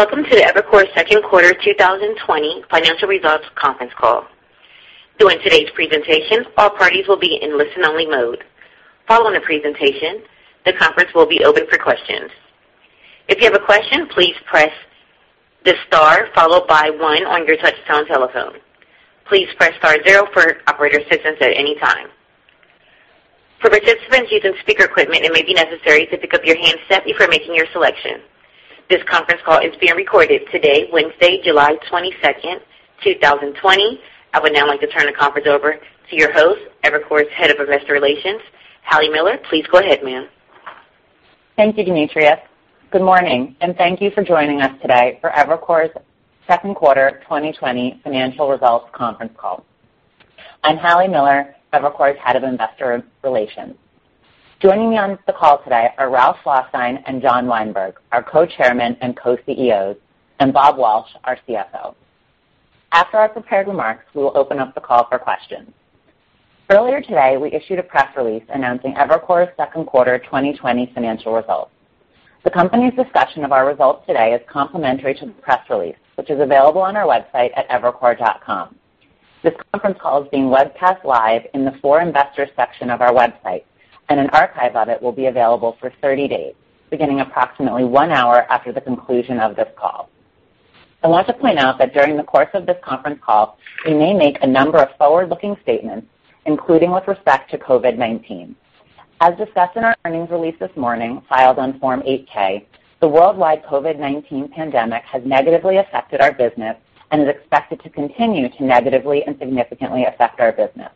Welcome to the Evercore second quarter 2020 financial results conference call. During today's presentation, all parties will be in listen-only mode. Following the presentation, the conference will be open for questions. If you have a question, please press the star followed by one on your touchtone telephone. Please press star zero for operator assistance at any time. For participants using speaker equipment, it may be necessary to pick up your handset before making your selection. This conference call is being recorded today, Wednesday, July 22nd, 2020. I would now like to turn the conference over to your host, Evercore's Head of Investor Relations, Hallie Miller. Please go ahead, ma'am. Thank you, Demetria. Good morning, and thank you for joining us today for Evercore's second quarter 2020 financial results conference call. I'm Hallie Miller, Evercore's Head of Investor Relations. Joining me on the call today are Ralph Schlosstein and John Weinberg, our Co-Chairman and Co-CEOs, and Bob Walsh, our CFO. After our prepared remarks, we will open up the call for questions. Earlier today, we issued a press release announcing Evercore's second quarter 2020 financial results. The company's discussion of our results today is complementary to the press release, which is available on our website at evercore.com. This conference call is being webcast live in the For Investors section of our website, and an archive of it will be available for 30 days, beginning approximately one hour after the conclusion of this call. I want to point out that during the course of this conference call, we may make a number of forward-looking statements, including with respect to COVID-19. As discussed in our earnings release this morning, filed on Form 8-K, the worldwide COVID-19 pandemic has negatively affected our business and is expected to continue to negatively and significantly affect our business.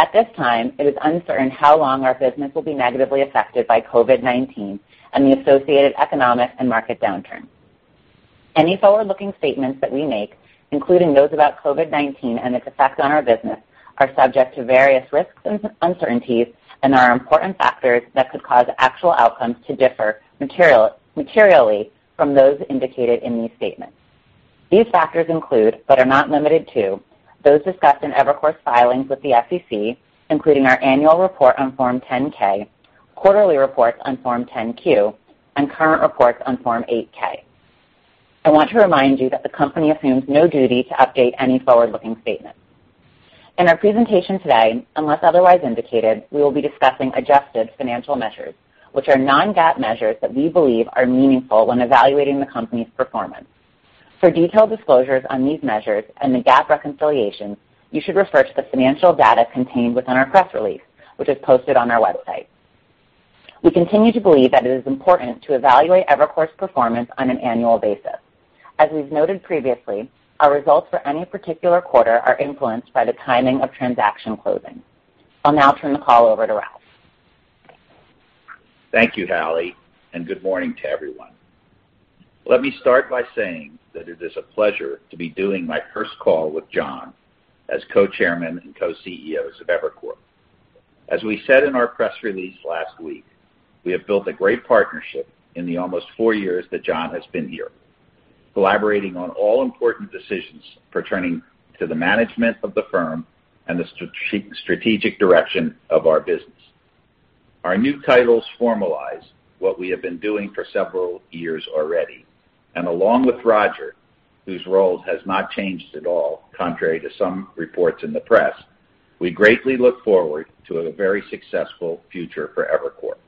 At this time, it is uncertain how long our business will be negatively affected by COVID-19 and the associated economic and market downturn. Any forward-looking statements that we make, including those about COVID-19 and its effect on our business, are subject to various risks and uncertainties and are important factors that could cause actual outcomes to differ materially from those indicated in these statements. These factors include, but are not limited to, those discussed in Evercore's filings with the SEC, including our annual report on Form 10-K, quarterly reports on Form 10-Q, and current reports on Form 8-K. I want to remind you that the company assumes no duty to update any forward-looking statements. In our presentation today, unless otherwise indicated, we will be discussing adjusted financial measures, which are non-GAAP measures that we believe are meaningful when evaluating the company's performance. For detailed disclosures on these measures and the GAAP reconciliation, you should refer to the financial data contained within our press release, which is posted on our website. We continue to believe that it is important to evaluate Evercore's performance on an annual basis. As we've noted previously, our results for any particular quarter are influenced by the timing of transaction closing. I'll now turn the call over to Ralph. Thank you, Hallie, and good morning to everyone. Let me start by saying that it is a pleasure to be doing my first call with John as Co-Chairman and Co-CEOs of Evercore. As we said in our press release last week, we have built a great partnership in the almost four years that John has been here, collaborating on all important decisions pertaining to the management of the firm and the strategic direction of our business. Our new titles formalize what we have been doing for several years already. Along with Roger, whose role has not changed at all, contrary to some reports in the press, we greatly look forward to a very successful future for Evercore.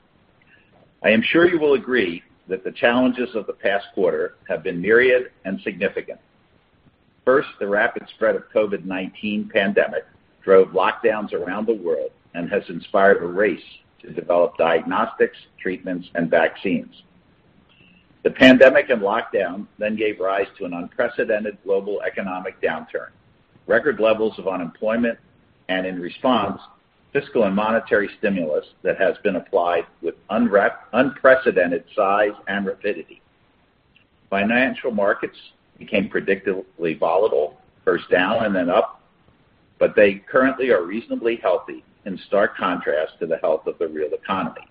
I am sure you will agree that the challenges of the past quarter have been myriad and significant. First, the rapid spread of COVID-19 pandemic drove lockdowns around the world and has inspired a race to develop diagnostics, treatments, and vaccines. The pandemic and lockdown gave rise to an unprecedented global economic downturn, record levels of unemployment, and in response, fiscal and monetary stimulus that has been applied with unprecedented size and rapidity. Financial markets became predictably volatile, first down and then up, they currently are reasonably healthy, in stark contrast to the health of the real economy.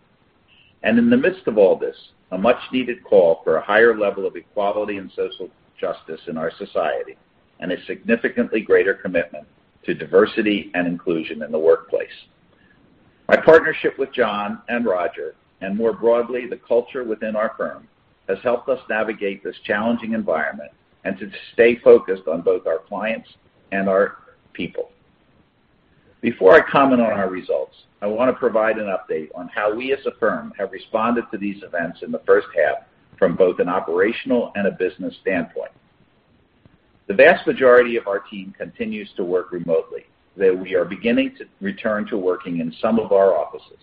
In the midst of all this, a much-needed call for a higher level of equality and social justice in our society and a significantly greater commitment to diversity and inclusion in the workplace. My partnership with John and Roger, and more broadly, the culture within our firm, has helped us navigate this challenging environment and to stay focused on both our clients and our people. Before I comment on our results, I want to provide an update on how we as a firm have responded to these events in the first half from both an operational and a business standpoint. The vast majority of our team continues to work remotely, though we are beginning to return to working in some of our offices.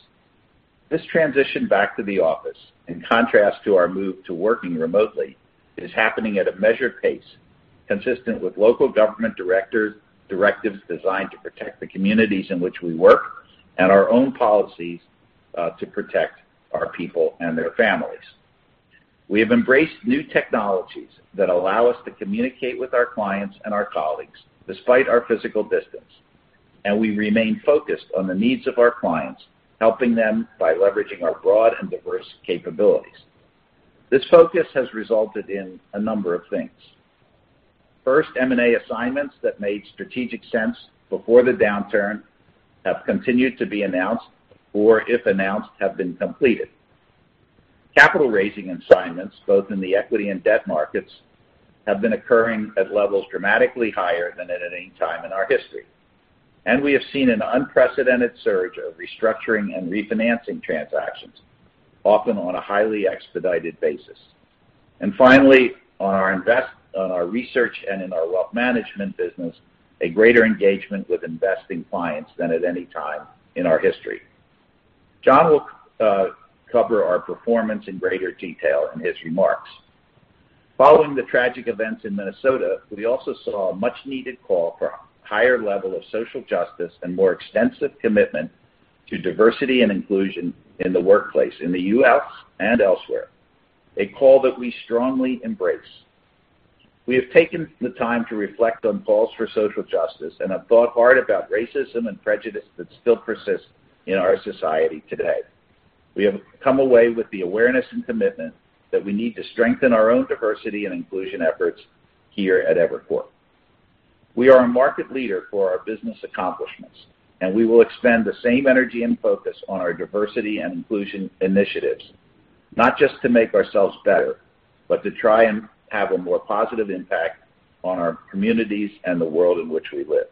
This transition back to the office, in contrast to our move to working remotely, is happening at a measured pace consistent with local government directives designed to protect the communities in which we work and our own policies to protect our people and their families. We have embraced new technologies that allow us to communicate with our clients and our colleagues despite our physical distance, and we remain focused on the needs of our clients, helping them by leveraging our broad and diverse capabilities. This focus has resulted in a number of things. First M&A assignments that made strategic sense before the downturn have continued to be announced, or if announced, have been completed. Capital raising assignments, both in the equity and debt markets, have been occurring at levels dramatically higher than at any time in our history. We have seen an unprecedented surge of restructuring and refinancing transactions, often on a highly expedited basis. Finally, on our research and in our wealth management business, a greater engagement with investing clients than at any time in our history. John will cover our performance in greater detail in his remarks. Following the tragic events in Minnesota, we also saw a much-needed call for a higher level of social justice and more extensive commitment to diversity and inclusion in the workplace, in the U.S. and elsewhere, a call that we strongly embrace. We have taken the time to reflect on calls for social justice and have thought hard about racism and prejudice that still persist in our society today. We have come away with the awareness and commitment that we need to strengthen our own diversity and inclusion efforts here at Evercore. We are a market leader for our business accomplishments, and we will expend the same energy and focus on our diversity and inclusion initiatives, not just to make ourselves better, but to try and have a more positive impact on our communities and the world in which we live.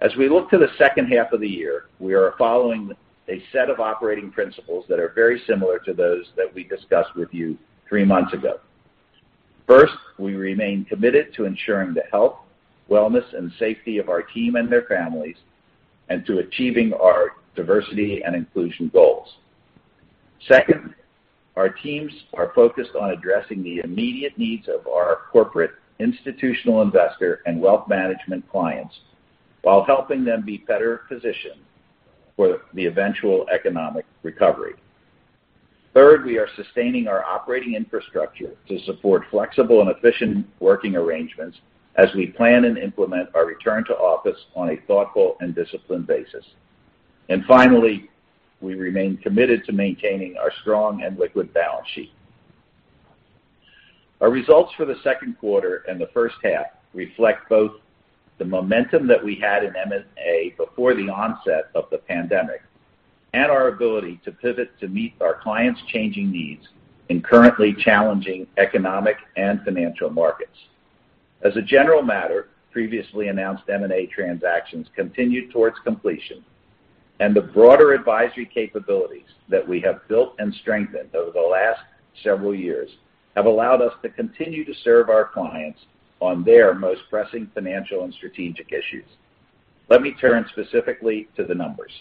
As we look to the second half of the year, we are following a set of operating principles that are very similar to those that we discussed with you three months ago. First, we remain committed to ensuring the health, wellness, and safety of our team and their families, and to achieving our diversity and inclusion goals. Second, our teams are focused on addressing the immediate needs of our corporate, institutional investor, and wealth management clients while helping them be better positioned for the eventual economic recovery. Third, we are sustaining our operating infrastructure to support flexible and efficient working arrangements as we plan and implement our return to office on a thoughtful and disciplined basis. Finally, we remain committed to maintaining our strong and liquid balance sheet. Our results for the second quarter and the first half reflect both the momentum that we had in M&A before the onset of the pandemic and our ability to pivot to meet our clients' changing needs in currently challenging economic and financial markets. As a general matter, previously announced M&A transactions continued towards completion, and the broader advisory capabilities that we have built and strengthened over the last several years have allowed us to continue to serve our clients on their most pressing financial and strategic issues. Let me turn specifically to the numbers.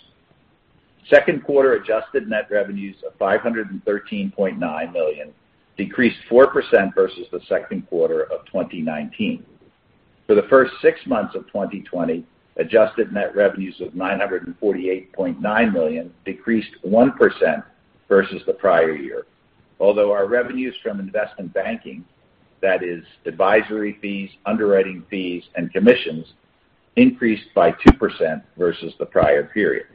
Second quarter adjusted net revenues of $513.9 million decreased 4% versus the second quarter of 2019. For the first six months of 2020, adjusted net revenues of $948.9 million decreased 1% versus the prior year. Although our revenues from investment banking, that is advisory fees, underwriting fees, and commissions, increased by 2% versus the prior period.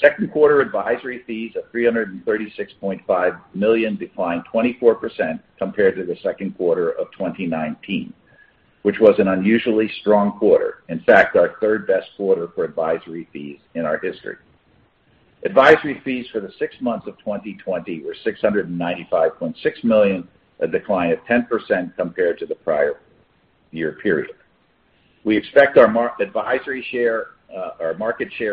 Second quarter advisory fees of $336.5 million declined 24% compared to the second quarter of 2019, which was an unusually strong quarter, in fact, our third-best quarter for advisory fees in our history. Advisory fees for the six months of 2020 were $695.6 million, a decline of 10% compared to the prior year period. We expect our market share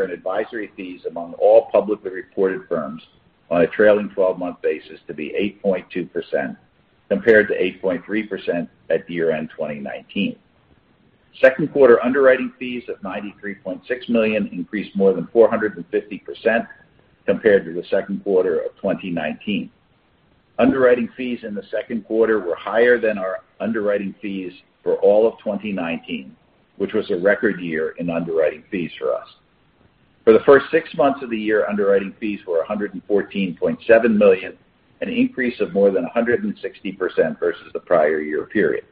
and advisory fees among all publicly reported firms on a trailing 12-month basis to be 8.2%, compared to 8.3% at year-end 2019. Second quarter underwriting fees of $93.6 million increased more than 450% compared to the second quarter of 2019. Underwriting fees in the second quarter were higher than our underwriting fees for all of 2019, which was a record year in underwriting fees for us. For the first six months of the year, underwriting fees were $114.7 million, an increase of more than 160% versus the prior year period.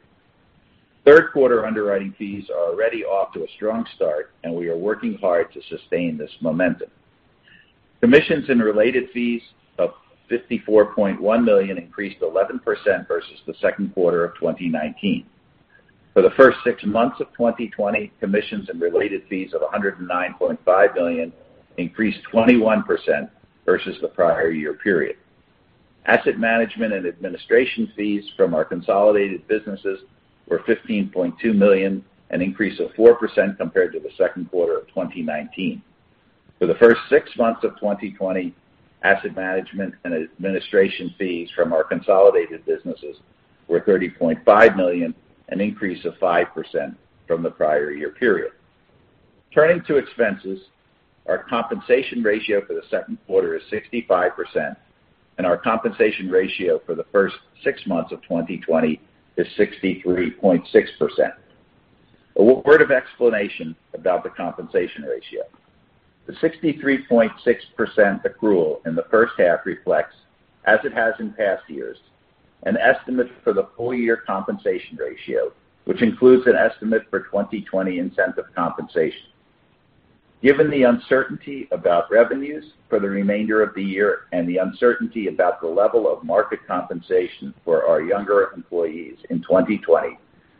Third quarter underwriting fees are already off to a strong start, and we are working hard to sustain this momentum. Commissions and related fees of $54.1 million increased 11% versus the second quarter of 2019. For the first six months of 2020, commissions and related fees of $109.5 million increased 21% versus the prior year period. Asset management and administration fees from our consolidated businesses were $15.2 million, an increase of 4% compared to the second quarter of 2019. For the first six months of 2020, asset management and administration fees from our consolidated businesses were $30.5 million, an increase of 5% from the prior year period. Turning to expenses, our compensation ratio for the second quarter is 65%, and our compensation ratio for the first six months of 2020 is 63.6%. A word of explanation about the compensation ratio. The 63.6% accrual in the first half reflects, as it has in past years, an estimate for the full year compensation ratio, which includes an estimate for 2020 incentive compensation. Given the uncertainty about revenues for the remainder of the year and the uncertainty about the level of market compensation for our younger employees in 2020,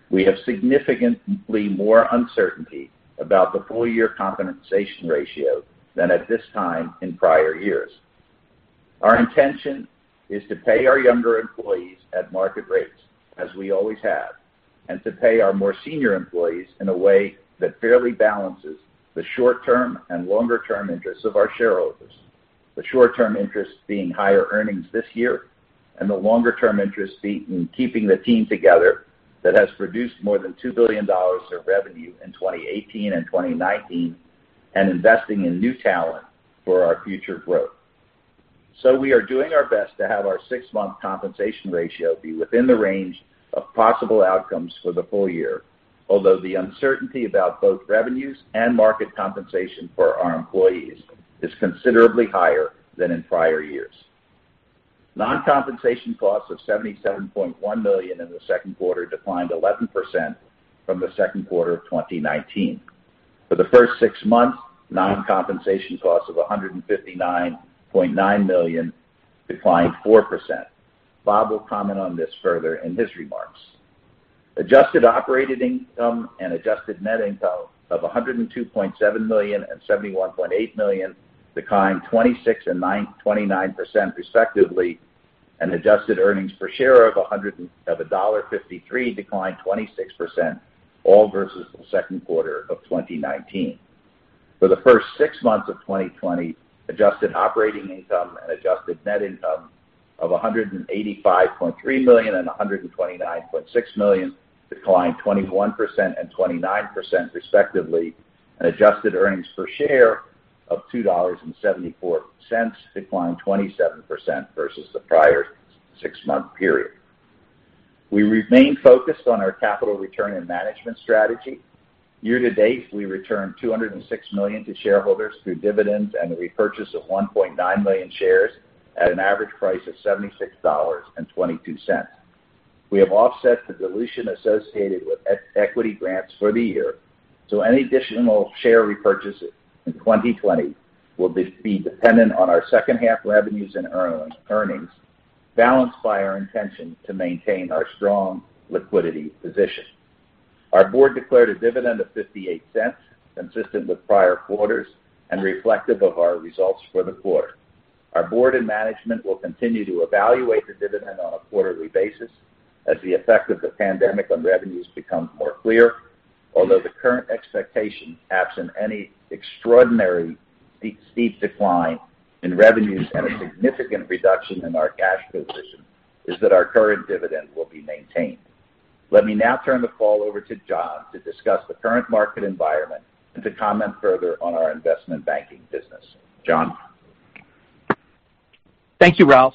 we have significantly more uncertainty about the full-year compensation ratio than at this time in prior years. Our intention is to pay our younger employees at market rates, as we always have, and to pay our more senior employees in a way that fairly balances the short-term and longer-term interests of our shareholders. The short-term interests being higher earnings this year, and the longer-term interests being keeping the team together that has produced more than $2 billion of revenue in 2018 and 2019 and investing in new talent for our future growth. We are doing our best to have our six-month compensation ratio be within the range of possible outcomes for the full year, although the uncertainty about both revenues and market compensation for our employees is considerably higher than in prior years. Non-compensation costs of $77.1 million in the second quarter declined 11% from the second quarter of 2019. For the first six months, non-compensation costs of $159.9 million declined 4%. Bob will comment on this further in his remarks. Adjusted operating income and adjusted net income of $102.7 million and $71.8 million declined 26% and 29% respectively, and adjusted earnings per share of $1.53 declined 26%, all versus the second quarter of 2019. For the first six months of 2020, adjusted operating income and adjusted net income of $185.3 million and $129.6 million declined 21% and 29% respectively, and adjusted earnings per share of $2.74 declined 27% versus the prior six-month period. We remain focused on our capital return and management strategy. Year to date, we returned $206 million to shareholders through dividends and the repurchase of 1.9 million shares at an average price of $76.22. We have offset the dilution associated with equity grants for the year, so any additional share repurchases in 2020 will be dependent on our second half revenues and earnings balanced by our intention to maintain our strong liquidity position. Our board declared a dividend of $0.58, consistent with prior quarters and reflective of our results for the quarter. Our board and management will continue to evaluate the dividend on a quarterly basis as the effect of the pandemic on revenues become more clear, although the current expectation, absent any extraordinary steep decline in revenues and a significant reduction in our cash position, is that our current dividend will be maintained. Let me now turn the call over to John to discuss the current market environment and to comment further on our investment banking business. John? Thank you, Ralph.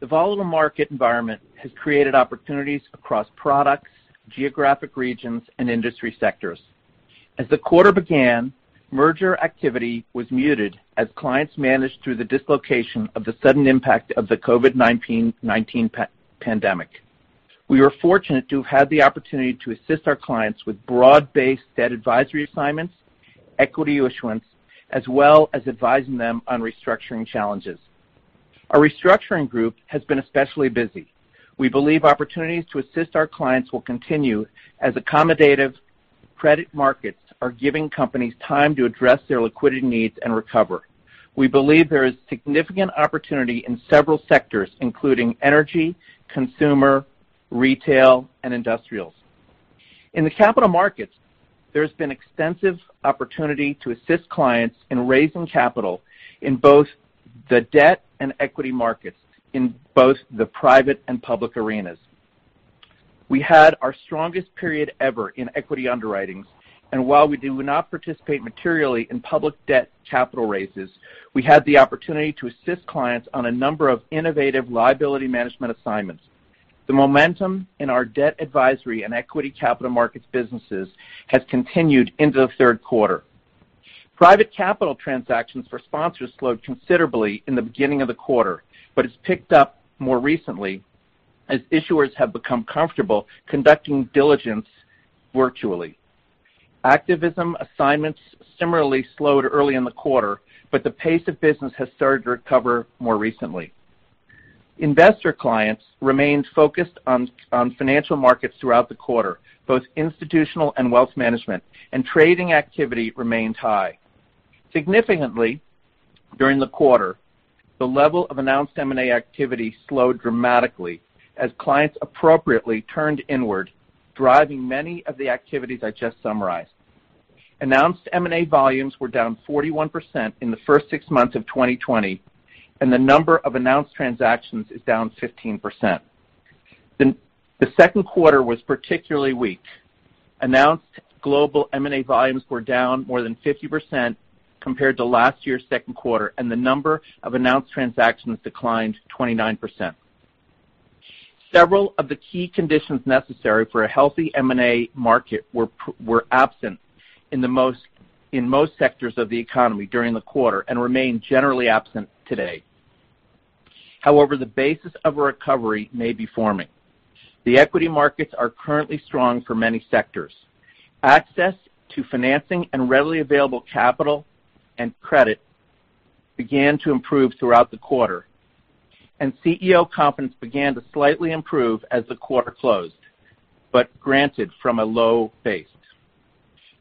The volatile market environment has created opportunities across products, geographic regions, and industry sectors. As the quarter began, merger activity was muted as clients managed through the dislocation of the sudden impact of the COVID-19 pandemic. We were fortunate to have had the opportunity to assist our clients with broad-based debt advisory assignments, equity issuance, as well as advising them on restructuring challenges. Our restructuring group has been especially busy. We believe opportunities to assist our clients will continue as accommodative credit markets are giving companies time to address their liquidity needs and recover. We believe there is significant opportunity in several sectors, including energy, consumer, retail, and industrials. In the capital markets, there's been extensive opportunity to assist clients in raising capital in both the debt and equity markets, in both the private and public arenas. We had our strongest period ever in equity underwritings, and while we do not participate materially in public debt capital raises, we had the opportunity to assist clients on a number of innovative liability management assignments. The momentum in our debt advisory and equity capital markets businesses has continued into the third quarter. Private capital transactions for sponsors slowed considerably in the beginning of the quarter, but it's picked up more recently as issuers have become comfortable conducting diligence virtually. Activism assignments similarly slowed early in the quarter, but the pace of business has started to recover more recently. Investor clients remained focused on financial markets throughout the quarter, both institutional and wealth management, and trading activity remained high. Significantly, during the quarter, the level of announced M&A activity slowed dramatically as clients appropriately turned inward, driving many of the activities I just summarized. Announced M&A volumes were down 41% in the first six months of 2020, and the number of announced transactions is down 15%. The second quarter was particularly weak. Announced global M&A volumes were down more than 50% compared to last year's second quarter, and the number of announced transactions declined 29%. Several of the key conditions necessary for a healthy M&A market were absent in most sectors of the economy during the quarter and remain generally absent today. The basis of a recovery may be forming. The equity markets are currently strong for many sectors. Access to financing and readily available capital and credit began to improve throughout the quarter, and CEO confidence began to slightly improve as the quarter closed, but granted, from a low base.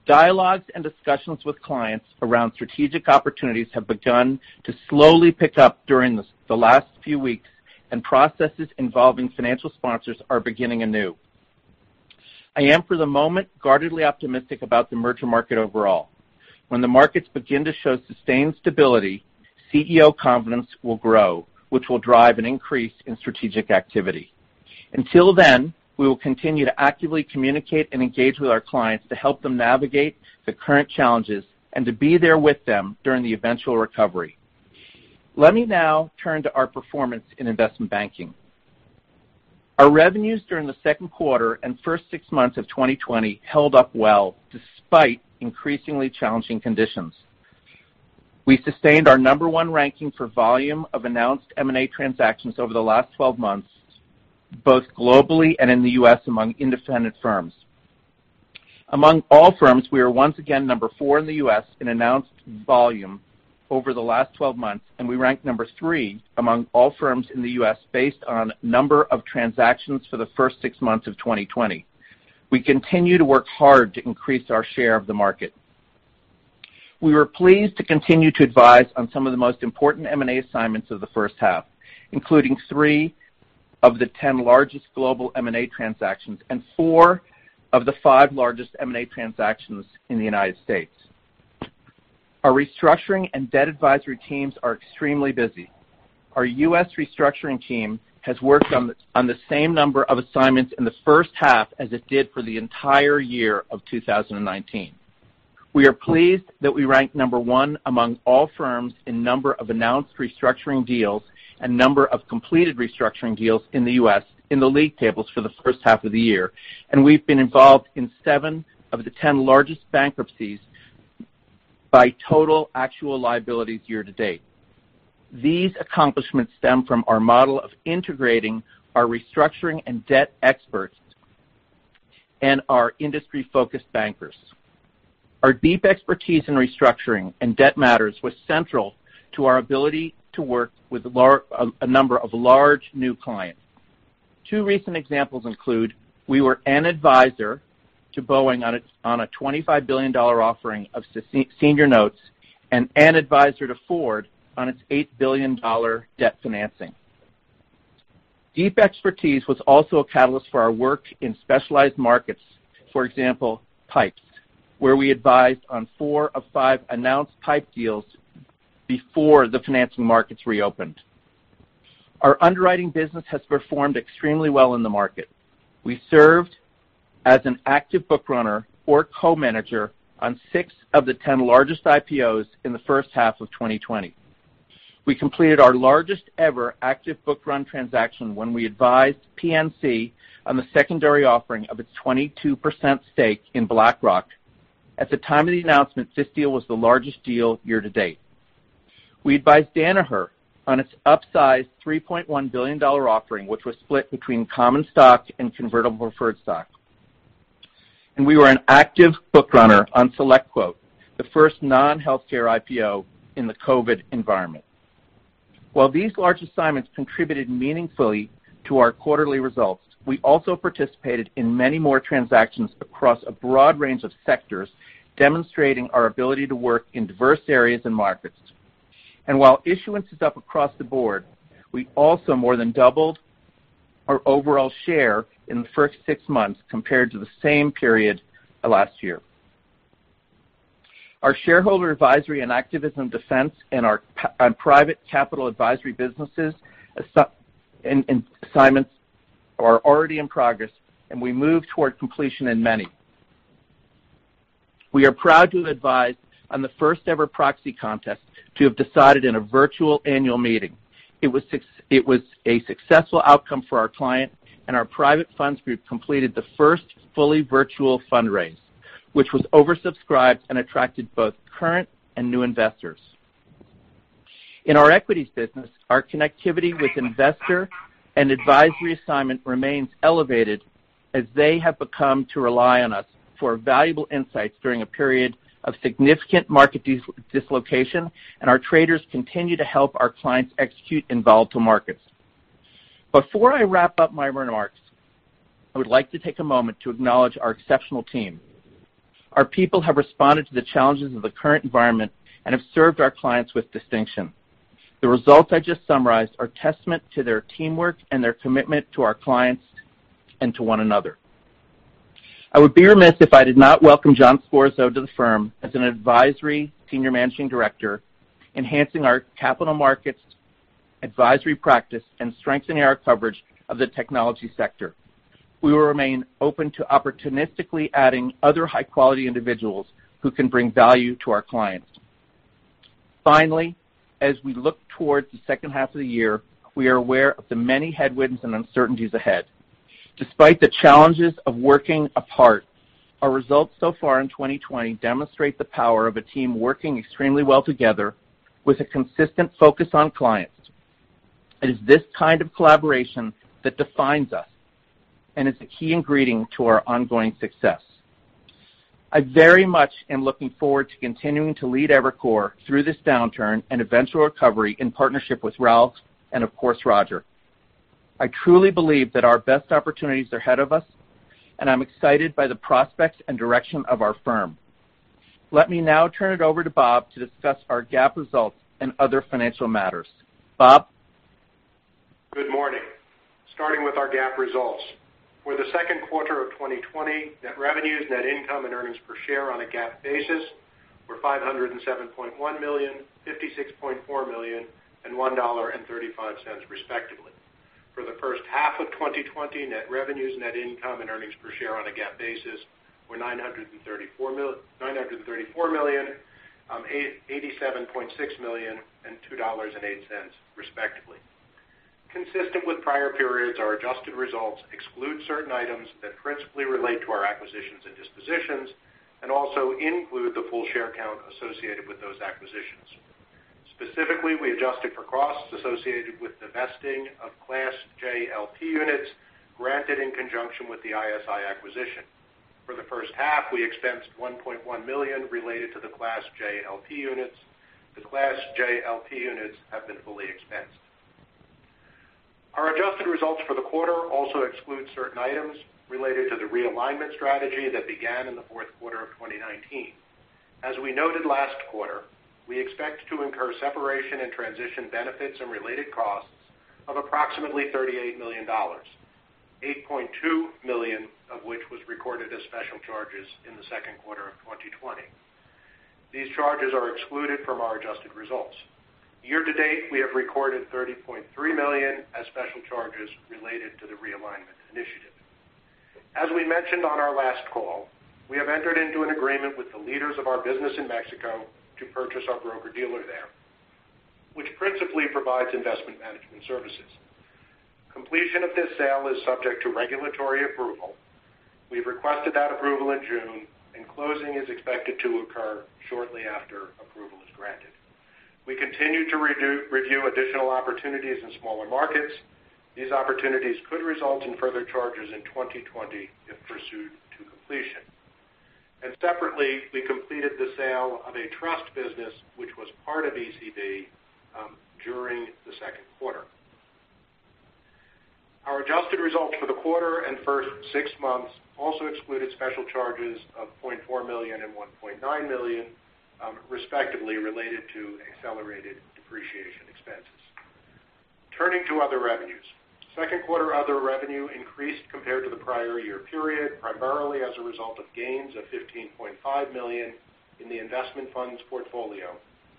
Dialogues and discussions with clients around strategic opportunities have begun to slowly pick up during the last few weeks, and processes involving financial sponsors are beginning anew. I am, for the moment, guardedly optimistic about the merger market overall. When the markets begin to show sustained stability, CEO confidence will grow, which will drive an increase in strategic activity. Until then, we will continue to actively communicate and engage with our clients to help them navigate the current challenges and to be there with them during the eventual recovery. Let me now turn to our performance in investment banking. Our revenues during the second quarter and first six months of 2020 held up well despite increasingly challenging conditions. We sustained our number one ranking for volume of announced M&A transactions over the last 12 months, both globally and in the U.S. among independent firms. Among all firms, we are once again number four in the U.S. in announced volume over the last 12 months, and we rank number three among all firms in the U.S. based on number of transactions for the first six months of 2020. We continue to work hard to increase our share of the market. We were pleased to continue to advise on some of the most important M&A assignments of the first half, including three of the 10 largest global M&A transactions and four of the five largest M&A transactions in the United States. Our restructuring and debt advisory teams are extremely busy. Our U.S. restructuring team has worked on the same number of assignments in the first half as it did for the entire year of 2019. We are pleased that we rank number 1 among all firms in number of announced restructuring deals and number of completed restructuring deals in the U.S. in the league tables for the first half of the year. We've been involved in 7 of the 10 largest bankruptcies by total actual liabilities year to date. These accomplishments stem from our model of integrating our restructuring and debt experts and our industry-focused bankers. Our deep expertise in restructuring and debt matters was central to our ability to work with a number of large new clients. Two recent examples include we were an advisor to Boeing on a $25 billion offering of senior notes and an advisor to Ford on its $8 billion debt financing. Deep expertise was also a catalyst for our work in specialized markets, for example, PIPEs, where we advised on four of five announced PIPE deals before the financing markets reopened. Our underwriting business has performed extremely well in the market. We served as an active book runner or co-manager on six of the 10 largest IPOs in the first half of 2020. We completed our largest ever active book run transaction when we advised PNC on the secondary offering of its 22% stake in BlackRock. At the time of the announcement, this deal was the largest deal year to date. We advised Danaher on its upsized $3.1 billion offering, which was split between common stock and convertible preferred stock. We were an active book runner on SelectQuote, the first non-healthcare IPO in the COVID environment. While these large assignments contributed meaningfully to our quarterly results, we also participated in many more transactions across a broad range of sectors, demonstrating our ability to work in diverse areas and markets. While issuance is up across the board, we also more than doubled our overall share in the first six months compared to the same period last year. Our shareholder advisory and activism defense and our private capital advisory businesses assignments are already in progress, and we move toward completion in many. We are proud to have advised on the first ever proxy contest to have decided in a virtual annual meeting. It was a successful outcome for our client, and our private funds group completed the first fully virtual fundraise, which was oversubscribed and attracted both current and new investors. In our equities business, our connectivity with investor and advisory assignment remains elevated as they have become to rely on us for valuable insights during a period of significant market dislocation, and our traders continue to help our clients execute in volatile markets. Before I wrap up my remarks, I would like to take a moment to acknowledge our exceptional team. Our people have responded to the challenges of the current environment and have served our clients with distinction. The results I just summarized are testament to their teamwork and their commitment to our clients and to one another. I would be remiss if I did not welcome John Scorza to the firm as an Advisory Senior Managing Director, enhancing our capital markets advisory practice and strengthening our coverage of the technology sector. We will remain open to opportunistically adding other high-quality individuals who can bring value to our clients. Finally, as we look towards the second half of the year, we are aware of the many headwinds and uncertainties ahead. Despite the challenges of working apart, our results so far in 2020 demonstrate the power of a team working extremely well together with a consistent focus on clients. It is this kind of collaboration that defines us and is a key ingredient to our ongoing success. I very much am looking forward to continuing to lead Evercore through this downturn and eventual recovery in partnership with Ralph and of course Roger. I truly believe that our best opportunities are ahead of us, and I'm excited by the prospects and direction of our firm. Let me now turn it over to Bob to discuss our GAAP results and other financial matters. Bob? Good morning. Starting with our GAAP results. For the second quarter of 2020, net revenues, net income, and earnings per share on a GAAP basis were $507.1 million, $56.4 million, and $1.35 respectively. For the first half of 2020, net revenues, net income, and earnings per share on a GAAP basis were $934 million, $87.6 million, and $2.08 respectively. Consistent with prior periods, our adjusted results exclude certain items that principally relate to our acquisitions and dispositions and also include the full share count associated with those acquisitions. Specifically, we adjusted for costs associated with the vesting of Class J LP units granted in conjunction with the ISI acquisition. For the first half, we expensed $1.1 million related to the Class J LP units. The Class J LP units have been fully expensed. Our adjusted results for the quarter also exclude certain items related to the realignment strategy that began in the fourth quarter of 2019. As we noted last quarter, we expect to incur separation and transition benefits and related costs of approximately $38 million, $8.2 million of which was recorded as special charges in the second quarter of 2020. These charges are excluded from our adjusted results. Year-to-date, we have recorded $30.3 million as special charges related to the realignment initiative. As we mentioned on our last call, we have entered into an agreement with the leaders of our business in Mexico to purchase our broker-dealer there, which principally provides investment management services. Completion of this sale is subject to regulatory approval. We've requested that approval in June, closing is expected to occur shortly after approval is granted. We continue to review additional opportunities in smaller markets. These opportunities could result in further charges in 2020 if pursued to completion. Separately, we completed the sale of a trust business, which was part of ECB, during the 2Q. Our adjusted results for the quarter and first 6 months also excluded special charges of $0.4 million and $1.9 million, respectively, related to accelerated depreciation expenses. Turning to other revenues. 2Q other revenue increased compared to the prior year period, primarily as a result of gains of $15.5 million in the investment funds portfolio,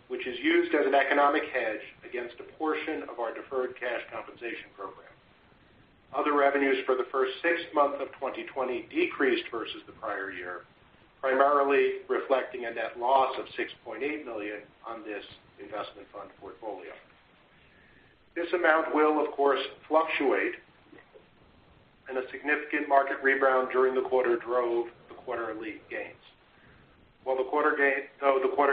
which is used as an economic hedge against a portion of our deferred cash compensation program. Other revenues for the first 6 months of 2020 decreased versus the prior year, primarily reflecting a net loss of $6.8 million on this investment fund portfolio. This amount will, of course, fluctuate, and a significant market rebound during the quarter drove the quarterly gains. Though the quarter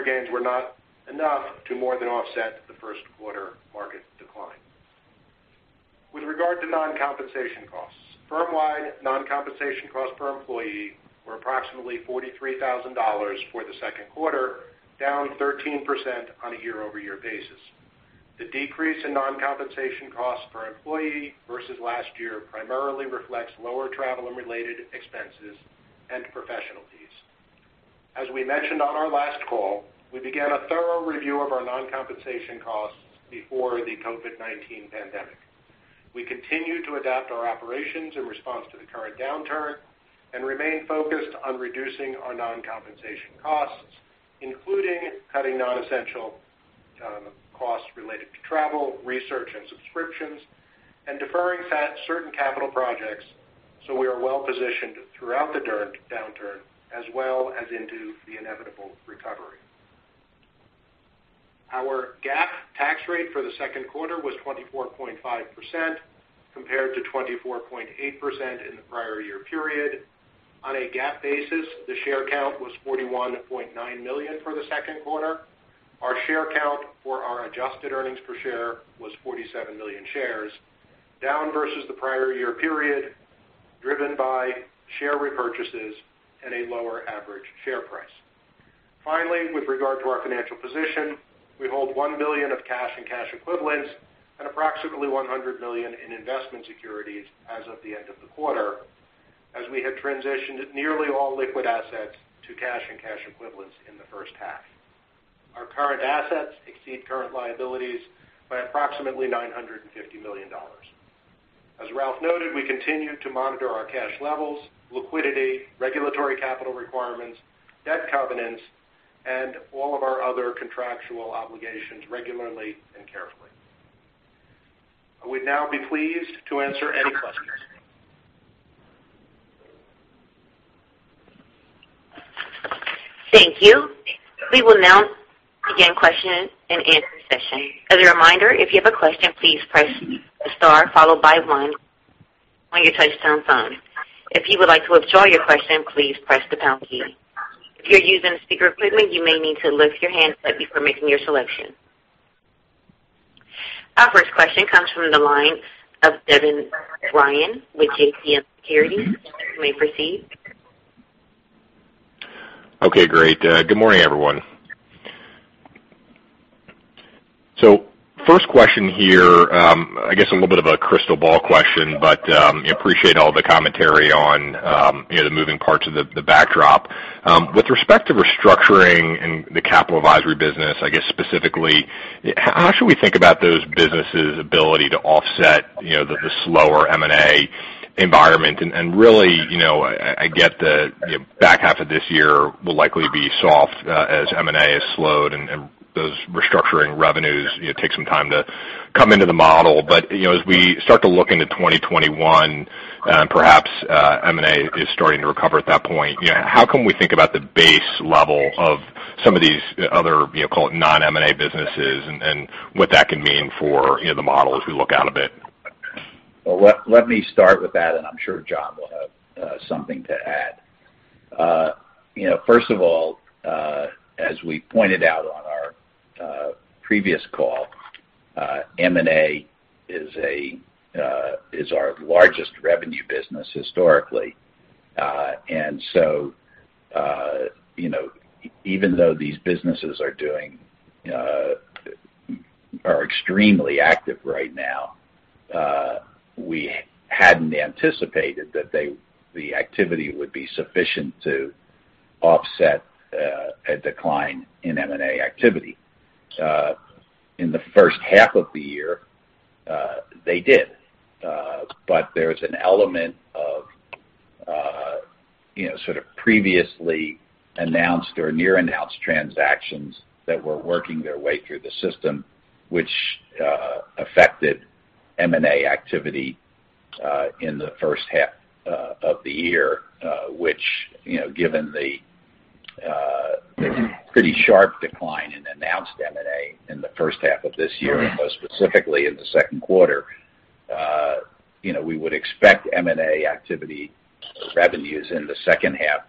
gains were not enough to more than offset the first quarter market decline. With regard to non-compensation costs, firm-wide non-compensation costs per employee were approximately $43,000 for the second quarter, down 13% on a year-over-year basis. The decrease in non-compensation costs per employee versus last year primarily reflects lower travel and related expenses and professional fees. As we mentioned on our last call, we began a thorough review of our non-compensation costs before the COVID-19 pandemic. We continue to adapt our operations in response to the current downturn and remain focused on reducing our non-compensation costs, including cutting non-essential costs related to travel, research, and subscriptions, and deferring certain capital projects so we are well-positioned throughout the downturn as well as into the inevitable recovery. Our GAAP tax rate for the second quarter was 24.5% compared to 24.8% in the prior year period. On a GAAP basis, the share count was 41.9 million for the second quarter. Our share count for our adjusted earnings per share was 47 million shares, down versus the prior year period, driven by share repurchases and a lower average share price. Finally, with regard to our financial position, we hold $1 billion of cash and cash equivalents and approximately $100 million in investment securities as of the end of the quarter, as we have transitioned nearly all liquid assets to cash and cash equivalents in the first half. Our current assets exceed current liabilities by approximately $950 million. As Ralph noted, we continue to monitor our cash levels, liquidity, regulatory capital requirements, debt covenants, and all of our other contractual obligations regularly and carefully. I would now be pleased to answer any questions. Thank you. We will now begin question and answer session. As a reminder, if you have a question, please press star followed by one on your touch-tone phone. If you would like to withdraw your question, please press the pound key. If you're using speaker equipment, you may need to lift your handset before making your selection. Our first question comes from the line of Devin Ryan with JMP Securities. You may proceed. Okay, great. Good morning, everyone. First question here, I guess a little bit of a crystal ball question, but appreciate all the commentary on the moving parts of the backdrop. With respect to restructuring and the capital advisory business, I guess specifically, how should we think about those businesses' ability to offset the slower M&A environment? Really, I get the back half of this year will likely be soft, as M&A has slowed and those restructuring revenues take some time to come into the model. As we start to look into 2021, perhaps M&A is starting to recover at that point. How can we think about the base level of some of these other non-M&A businesses and what that can mean for the model as we look out a bit? Well, let me start with that, and I'm sure John will have something to add. First of all, as we pointed out on our previous call, M&A is our largest revenue business historically. Even though these businesses are extremely active right now, we hadn't anticipated that the activity would be sufficient to offset a decline in M&A activity. In the first half of the year, they did. There's an element of sort of previously announced or near-announced transactions that were working their way through the system, which affected M&A activity in the first half of the year which, given the pretty sharp decline in announced M&A in the first half of this year, and most specifically in the second quarter, we would expect M&A activity revenues in the second half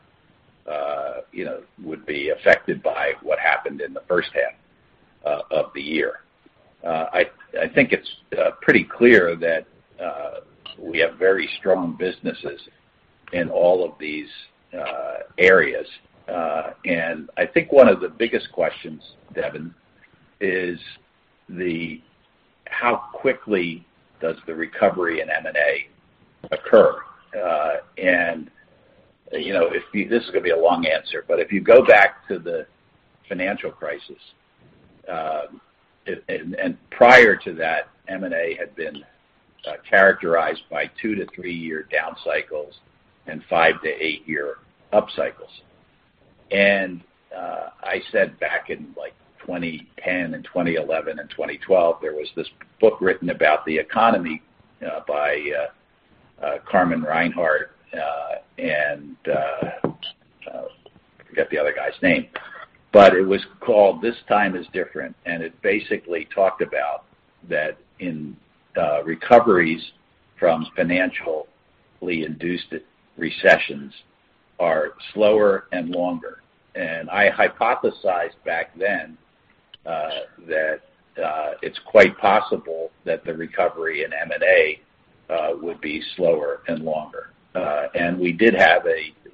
would be affected by what happened in the first half of the year. I think it's pretty clear that we have very strong businesses in all of these areas. I think one of the biggest questions, Devin, is how quickly does the recovery in M&A occur? This is going to be a long answer, but if you go back to the financial crisis, and prior to that, M&A had been characterized by two to three-year down cycles and five to eight-year up cycles. I said back in 2010 and 2011 and 2012, there was this book written about the economy by Carmen Reinhart, and I forget the other guy's name, but it was called "This Time Is Different," and it basically talked about that in recoveries from financially induced recessions are slower and longer. I hypothesized back then that it's quite possible that the recovery in M&A would be slower and longer. We did have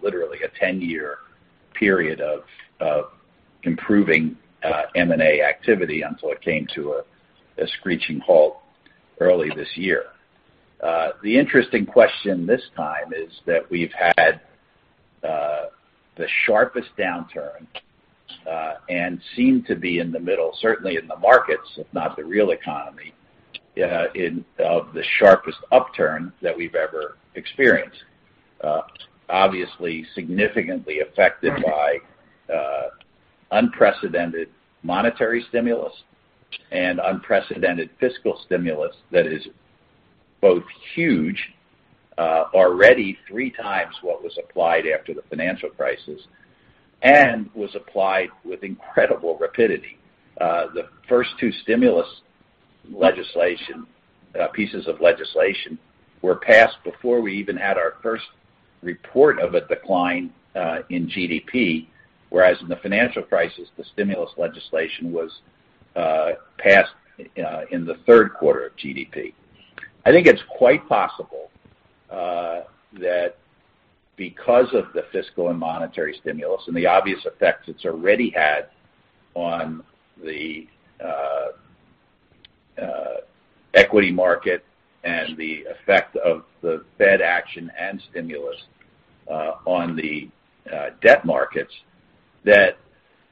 literally a 10-year period of improving M&A activity until it came to a screeching halt early this year. The interesting question this time is that we've had the sharpest downturn, and seem to be in the middle, certainly in the markets, if not the real economy, of the sharpest upturn that we've ever experienced. Obviously, significantly affected by unprecedented monetary stimulus and unprecedented fiscal stimulus that is both huge, already three times what was applied after the financial crisis, and was applied with incredible rapidity. The first two stimulus pieces of legislation were passed before we even had our first report of a decline in GDP, whereas in the financial crisis, the stimulus legislation was passed in the third quarter of GDP. I think it's quite possible that because of the fiscal and monetary stimulus and the obvious effects it's already had on the equity market and the effect of the Fed action and stimulus on the debt markets, that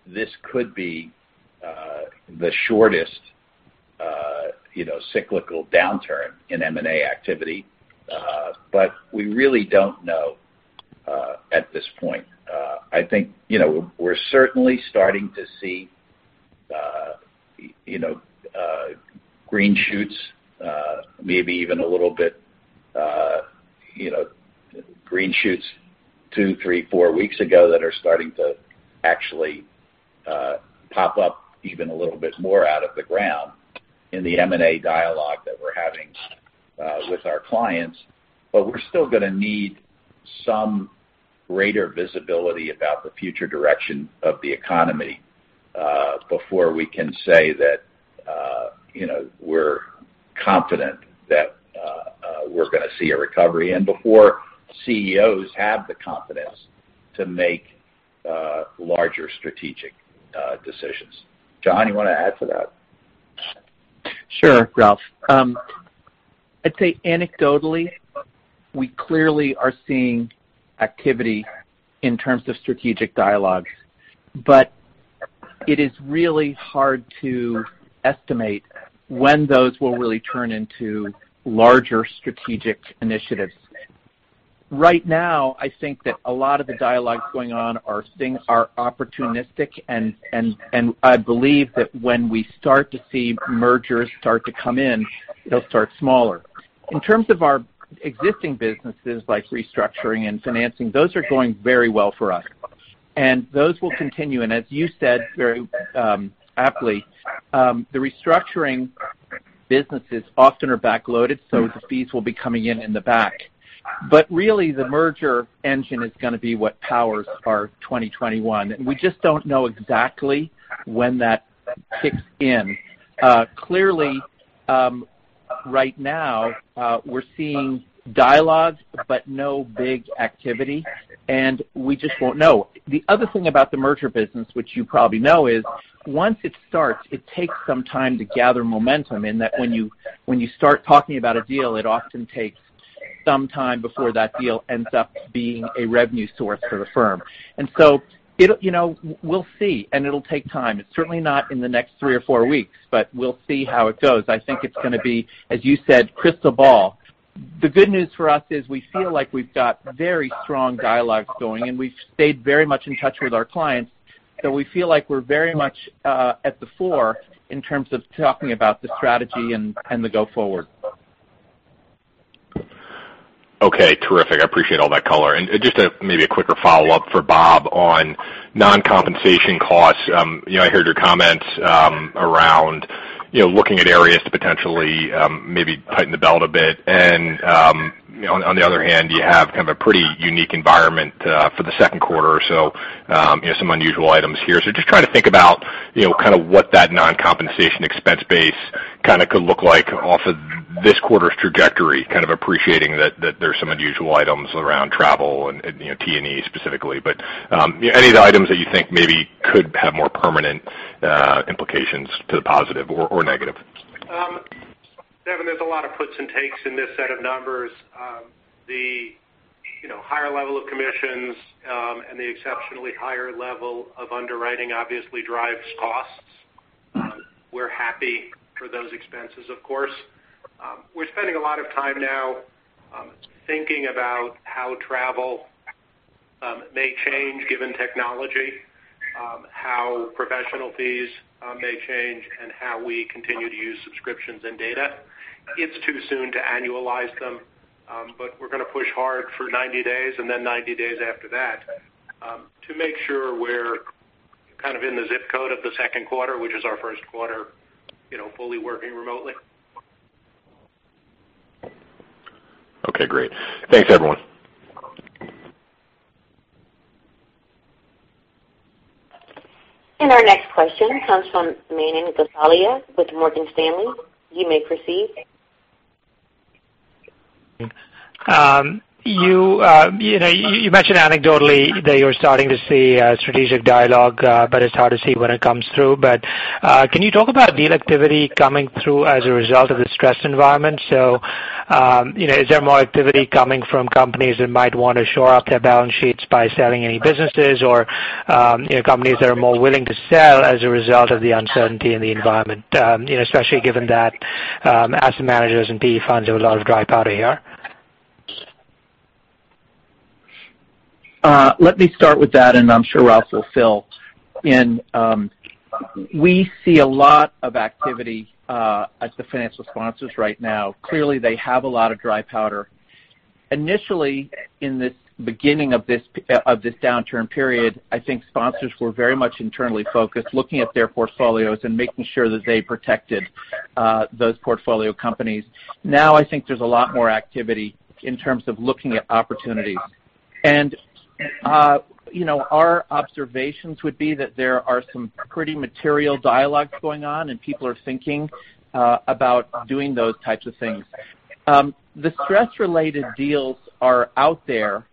this could be the shortest cyclical downturn in M&A activity. We really don't know at this point. I think we're certainly starting to see green shoots, maybe even a little bit green shoots two, three, four weeks ago that are starting to actually pop up even a little bit more out of the ground in the M&A dialogue that we're having with our clients. We're still going to need some greater visibility about the future direction of the economy, before we can say that we're confident that we're going to see a recovery, and before CEOs have the confidence to make larger strategic decisions. John, you want to add to that? Sure, Ralph. I'd say anecdotally, we clearly are seeing activity in terms of strategic dialogue, but it is really hard to estimate when those will really turn into larger strategic initiatives. Right now, I think that a lot of the dialogues going on are opportunistic, and I believe that when we start to see mergers start to come in, they'll start smaller. In terms of our existing businesses, like restructuring and financing, those are going very well for us. Those will continue. As you said, very aptly, the restructuring businesses often are back-loaded, so the fees will be coming in the back. Really, the merger engine is going to be what powers our 2021. We just don't know exactly when that kicks in. Clearly, right now, we're seeing dialogues but no big activity, and we just won't know. The other thing about the merger business, which you probably know is, once it starts, it takes some time to gather momentum in that when you start talking about a deal, it often takes some time before that deal ends up being a revenue source for the firm. We'll see, and it'll take time. It's certainly not in the next three or four weeks, we'll see how it goes. I think it's going to be, as you said, crystal ball. The good news for us is we feel like we've got very strong dialogues going, and we've stayed very much in touch with our clients. We feel like we're very much at the fore in terms of talking about the strategy and the go forward. Okay. Terrific. I appreciate all that color. Just maybe a quicker follow-up for Bob on non-compensation costs. I heard your comments around looking at areas to potentially maybe tighten the belt a bit. On the other hand, you have kind of a pretty unique environment for the second quarter or so. Some unusual items here. Just trying to think about what that non-compensation expense base could look like off of this quarter's trajectory, kind of appreciating that there's some unusual items around travel and T&E specifically. Any of the items that you think maybe could have more permanent implications to the positive or negative? Devin, there's a lot of puts and takes in this set of numbers. The higher level of commissions, and the exceptionally higher level of underwriting obviously drives costs. We're happy for those expenses, of course. We're spending a lot of time now thinking about how travel may change given technology, how professional fees may change, and how we continue to use subscriptions and data. It's too soon to annualize them, but we're going to push hard for 90 days, and then 90 days after that, to make sure we're kind of in the ZIP code of the second quarter, which is our first quarter fully working remotely. Okay, great. Thanks, everyone. Our next question comes from Manan Gosalia with Morgan Stanley. You may proceed. You mentioned anecdotally that you're starting to see strategic dialogue, it's hard to see when it comes through. Can you talk about deal activity coming through as a result of the stress environment? Is there more activity coming from companies that might want to shore up their balance sheets by selling any businesses? Companies that are more willing to sell as a result of the uncertainty in the environment? Especially given that asset managers and PE funds have a lot of dry powder here. Let me start with that, and I'm sure Ralph will fill in. We see a lot of activity at the financial sponsors right now. Clearly, they have a lot of dry powder. Initially, in the beginning of this downturn period, I think sponsors were very much internally focused, looking at their portfolios and making sure that they protected those portfolio companies. Now, I think there's a lot more activity in terms of looking at opportunities. Our observations would be that there are some pretty material dialogues going on, and people are thinking about doing those types of things. The stress-related deals are out there.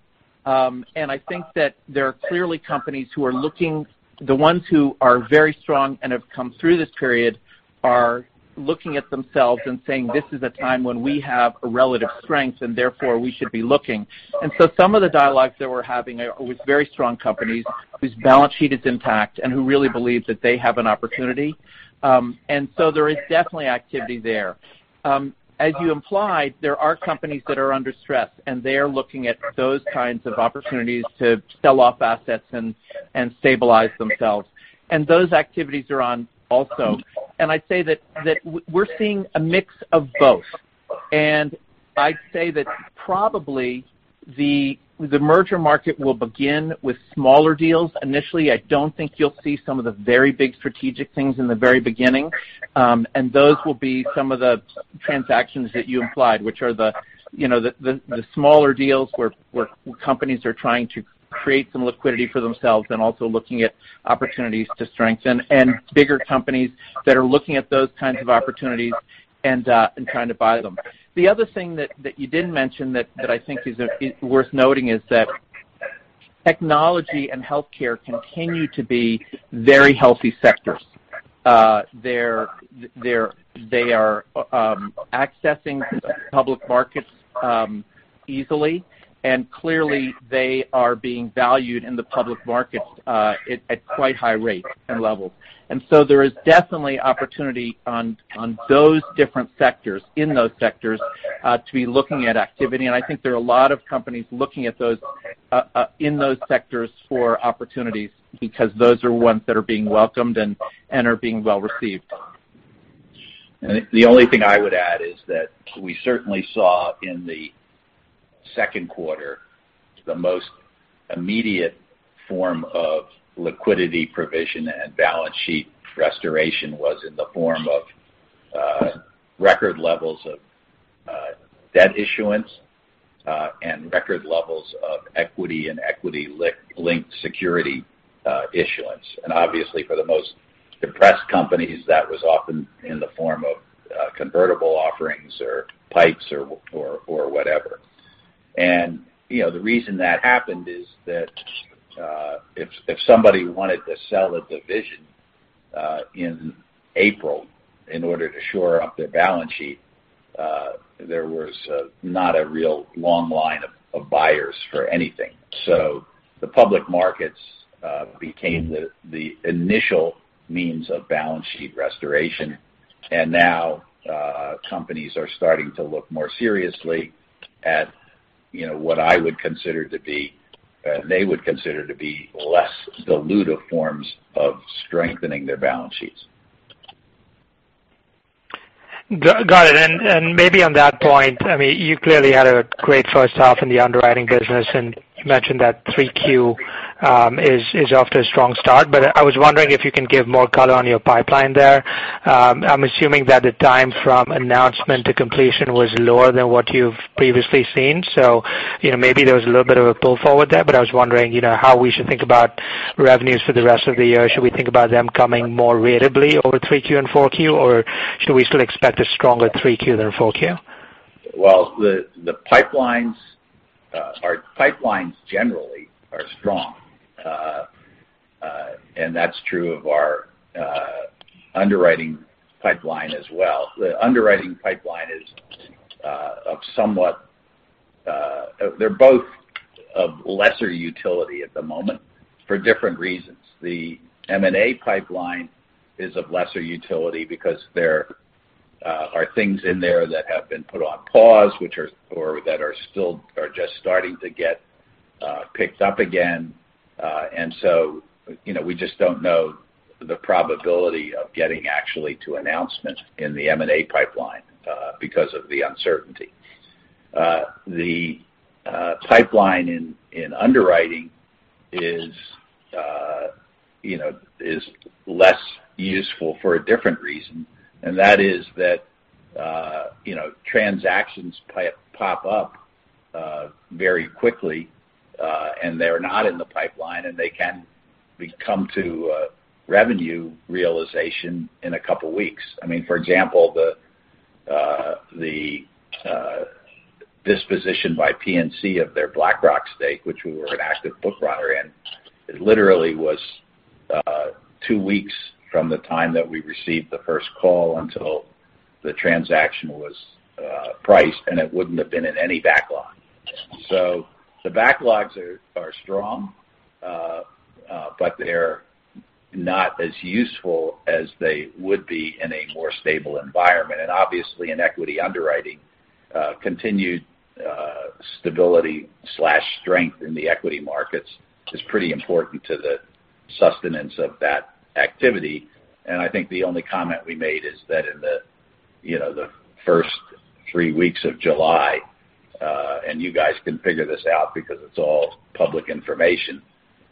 I think that there are clearly companies who are looking. The ones who are very strong and have come through this period are looking at themselves and saying, "This is a time when we have a relative strength, and therefore we should be looking." Some of the dialogues that we're having are with very strong companies whose balance sheet is intact and who really believe that they have an opportunity. There is definitely activity there. As you implied, there are companies that are under stress, and they are looking at those kinds of opportunities to sell off assets and stabilize themselves. Those activities are on also. I'd say that we're seeing a mix of both. I'd say that probably the merger market will begin with smaller deals initially. I don't think you'll see some of the very big strategic things in the very beginning. Those will be some of the transactions that you implied, which are the smaller deals where companies are trying to create some liquidity for themselves and also looking at opportunities to strengthen, and bigger companies that are looking at those kinds of opportunities and trying to buy them. The other thing that you didn't mention that I think is worth noting is that technology and healthcare continue to be very healthy sectors. They are accessing public markets easily, and clearly they are being valued in the public markets at quite high rates and levels. There is definitely opportunity on those different sectors, in those sectors, to be looking at activity. I think there are a lot of companies looking in those sectors for opportunities, because those are ones that are being welcomed and are being well-received. The only thing I would add is that we certainly saw in the second quarter, the most immediate form of liquidity provision and balance sheet restoration was in the form of record levels of debt issuance, and record levels of equity and equity-linked security issuance. Obviously for the most depressed companies, that was often in the form of convertible offerings or PIPEs or whatever. The reason that happened is that if somebody wanted to sell a division in April in order to shore up their balance sheet, there was not a real long line of buyers for anything. The public markets became the initial means of balance sheet restoration. Now, companies are starting to look more seriously at what they would consider to be less dilutive forms of strengthening their balance sheets. Got it. Maybe on that point, you clearly had a great first half in the underwriting business, and you mentioned that three Q is off to a strong start. I was wondering if you can give more color on your pipeline there. I'm assuming that the time from announcement to completion was lower than what you've previously seen, so maybe there was a little bit of a pull forward there, but I was wondering how we should think about revenues for the rest of the year. Should we think about them coming more ratably over three Q and four Q, or should we still expect a stronger three Q than four Q? Well, our pipelines generally are strong. That's true of our underwriting pipeline as well. The underwriting pipeline, they're both of lesser utility at the moment for different reasons. The M&A pipeline is of lesser utility because there are things in there that have been put on pause, or that are just starting to get picked up again. We just don't know the probability of getting actually to announcement in the M&A pipeline because of the uncertainty. The pipeline in underwriting is less useful for a different reason, and that is that transactions pop up very quickly, and they're not in the pipeline, and they can come to revenue realization in a couple of weeks. For example, the disposition by PNC of their BlackRock stake, which we were an active book runner in, it literally was 2 weeks from the time that we received the first call until the transaction was priced, and it wouldn't have been in any backlog. The backlogs are strong, but they're not as useful as they would be in a more stable environment. Obviously in equity underwriting, continued stability/strength in the equity markets is pretty important to the sustenance of that activity. I think the only comment we made is that in the first three weeks of July, and you guys can figure this out because it's all public information,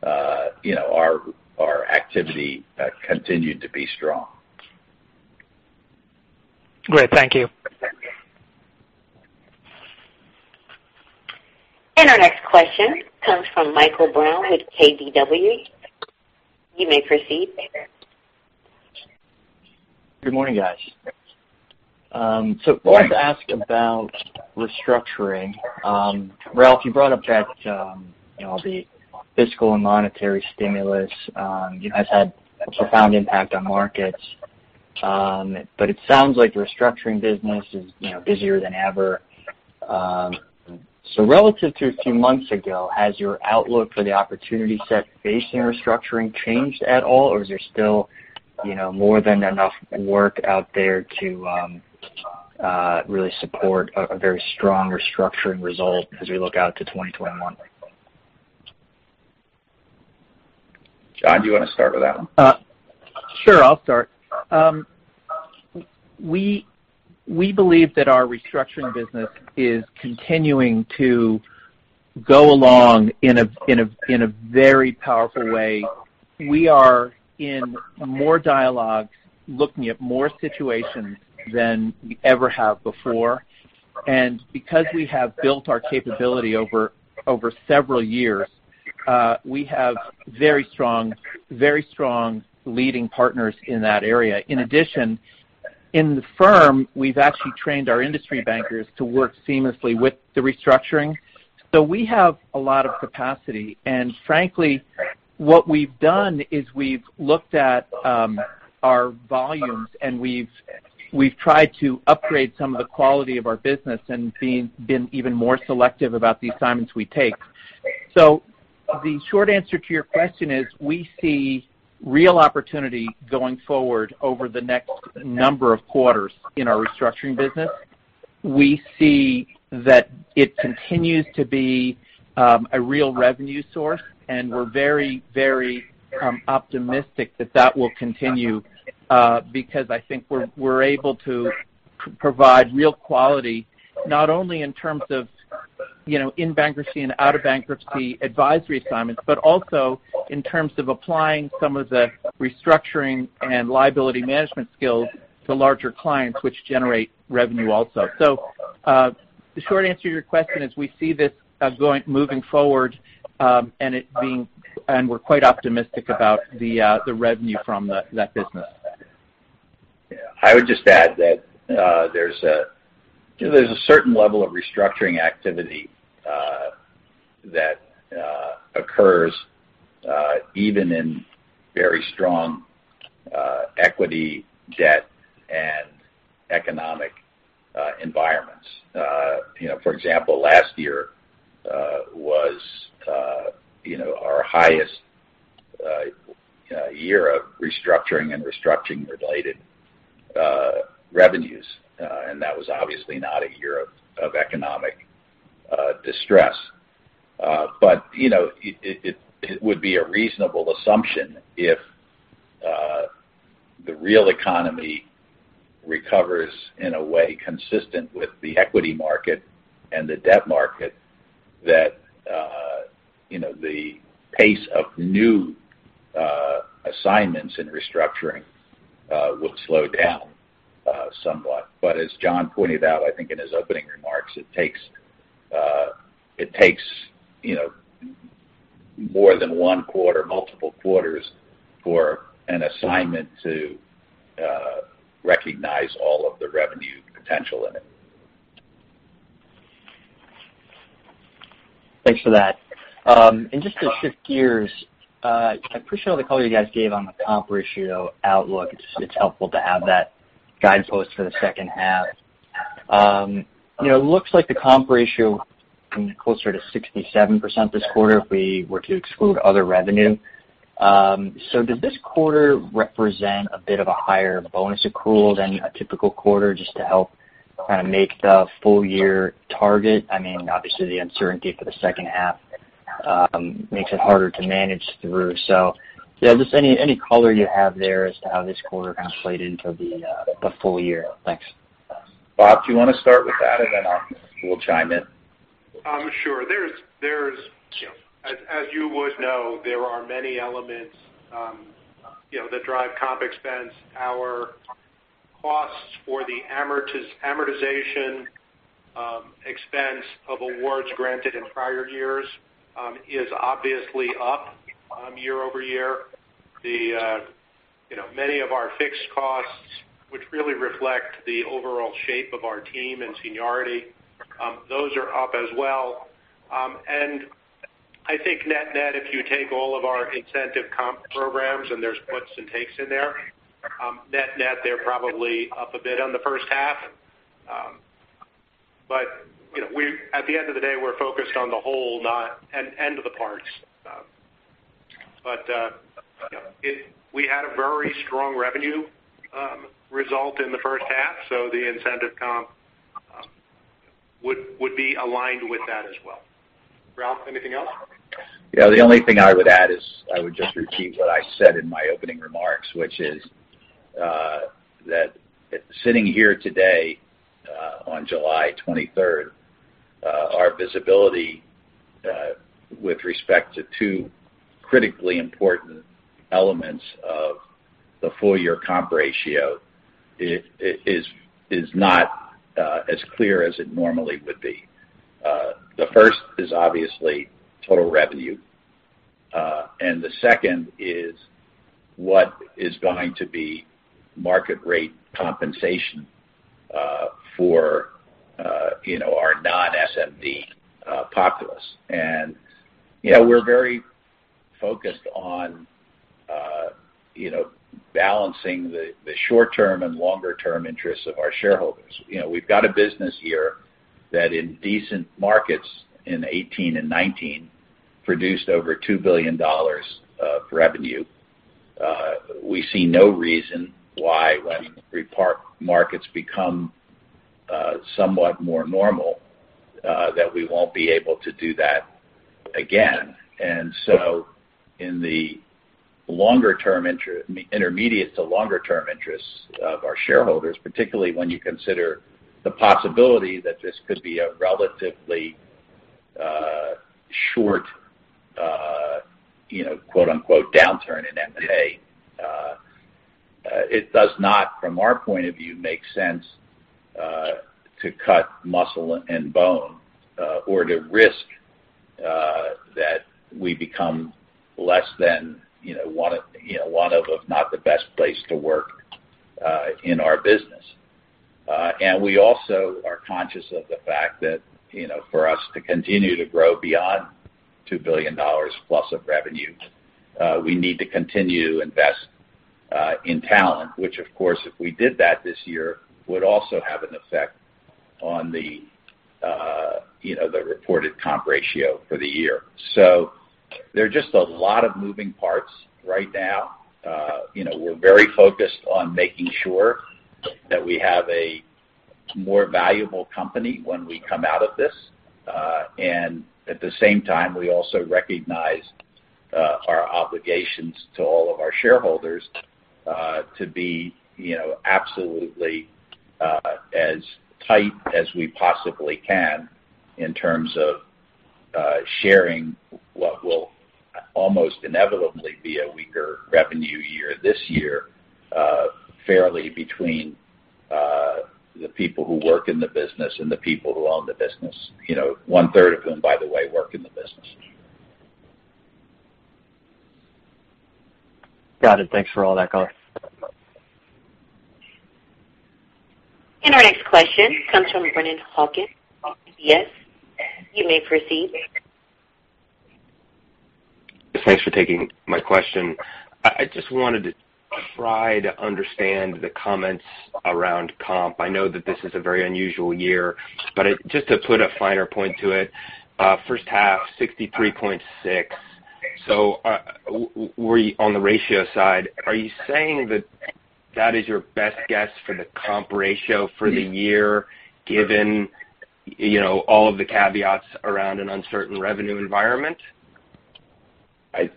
our activity continued to be strong. Great. Thank you. Our next question comes from Michael Brown with KBW. You may proceed. Good morning, guys. I wanted to ask about restructuring. Ralph, you brought up that the fiscal and monetary stimulus has had a profound impact on markets. It sounds like the restructuring business is busier than ever. Relative to a few months ago, has your outlook for the opportunity set facing restructuring changed at all, or is there still more than enough work out there to really support a very strong restructuring result as we look out to 2021? John, do you want to start with that one? Sure. I'll start. We believe that our restructuring business is continuing to go along in a very powerful way. We are in more dialogues, looking at more situations than we ever have before. Because we have built our capability over several years, we have very strong leading partners in that area. In addition, in the firm, we've actually trained our industry bankers to work seamlessly with the restructuring. We have a lot of capacity. Frankly, what we've done is we've looked at our volumes, and we've tried to upgrade some of the quality of our business and been even more selective about the assignments we take. The short answer to your question is, we see real opportunity going forward over the next number of quarters in our restructuring business. We see that it continues to be a real revenue source. We're very optimistic that that will continue, because I think we're able to provide real quality, not only in terms of in bankruptcy and out-of-bankruptcy advisory assignments, but also in terms of applying some of the restructuring and liability management skills to larger clients, which generate revenue also. The short answer to your question is, we see this moving forward. We're quite optimistic about the revenue from that business. Yeah. I would just add that there's a certain level of restructuring activity that occurs even in very strong equity, debt, and economic environments. For example, last year was our highest year of restructuring and restructuring-related revenues. That was obviously not a year of economic distress. It would be a reasonable assumption if the real economy recovers in a way consistent with the equity market and the debt market that the pace of new assignments in restructuring will slow down somewhat. As John pointed out, I think in his opening remarks, it takes more than one quarter, multiple quarters for an assignment to recognize all of the revenue potential in it. Thanks for that. Just to shift gears, I appreciate all the color you guys gave on the comp ratio outlook. It's helpful to have that guidepost for the second half. It looks like the comp ratio coming in closer to 67% this quarter if we were to exclude other revenue. Does this quarter represent a bit of a higher bonus accrual than a typical quarter just to help kind of make the full-year target? Obviously, the uncertainty for the second half makes it harder to manage through. Yeah, just any color you have there as to how this quarter kind of played into the full year. Thanks. Bob, do you want to start with that, and then we'll chime in? Sure. As you would know, there are many elements that drive comp expense. Our costs for the amortization expense of awards granted in prior years is obviously up year-over-year. Many of our fixed costs, which really reflect the overall shape of our team and seniority, those are up as well. I think net, if you take all of our incentive comp programs, and there's puts and takes in there. Net, they're probably up a bit on the first half. At the end of the day, we're focused on the whole, not end of the parts. We had a very strong revenue result in the first half. The incentive comp would be aligned with that as well. Ralph, anything else? The only thing I would add is I would just repeat what I said in my opening remarks, which is that sitting here today on July 23rd, our visibility with respect to two critically important elements of the full-year comp ratio is not as clear as it normally would be. The first is obviously total revenue. The second is what is going to be market rate compensation for our non-SMD populace. We're very focused on balancing the short-term and longer-term interests of our shareholders. We've got a business here that in decent markets in 2018 and 2019 produced over $2 billion of revenue. We see no reason why when markets become somewhat more normal, that we won't be able to do that again. In the intermediate to longer term interests of our shareholders, particularly when you consider the possibility that this could be a relatively short, quote unquote, "downturn" in M&A. It does not, from our point of view, make sense to cut muscle and bone or to risk that we become less than one of, if not the best place to work in our business. We also are conscious of the fact that for us to continue to grow beyond $2 billion plus of revenue, we need to continue to invest in talent, which of course, if we did that this year, would also have an effect on the reported comp ratio for the year. There are just a lot of moving parts right now. We're very focused on making sure that we have a more valuable company when we come out of this. At the same time, we also recognize our obligations to all of our shareholders to be absolutely as tight as we possibly can in terms of sharing what will almost inevitably be a weaker revenue year this year fairly between the people who work in the business and the people who own the business. One-third of whom, by the way, work in the business. Got it. Thanks for all that, Ralph. Our next question comes from Brennan Hawken of UBS. You may proceed. Thanks for taking my question. I just wanted to try to understand the comments around comp. I know that this is a very unusual year, but just to put a finer point to it, first half, 63.6%. On the ratio side, are you saying that is your best guess for the comp ratio for the year, given all of the caveats around an uncertain revenue environment?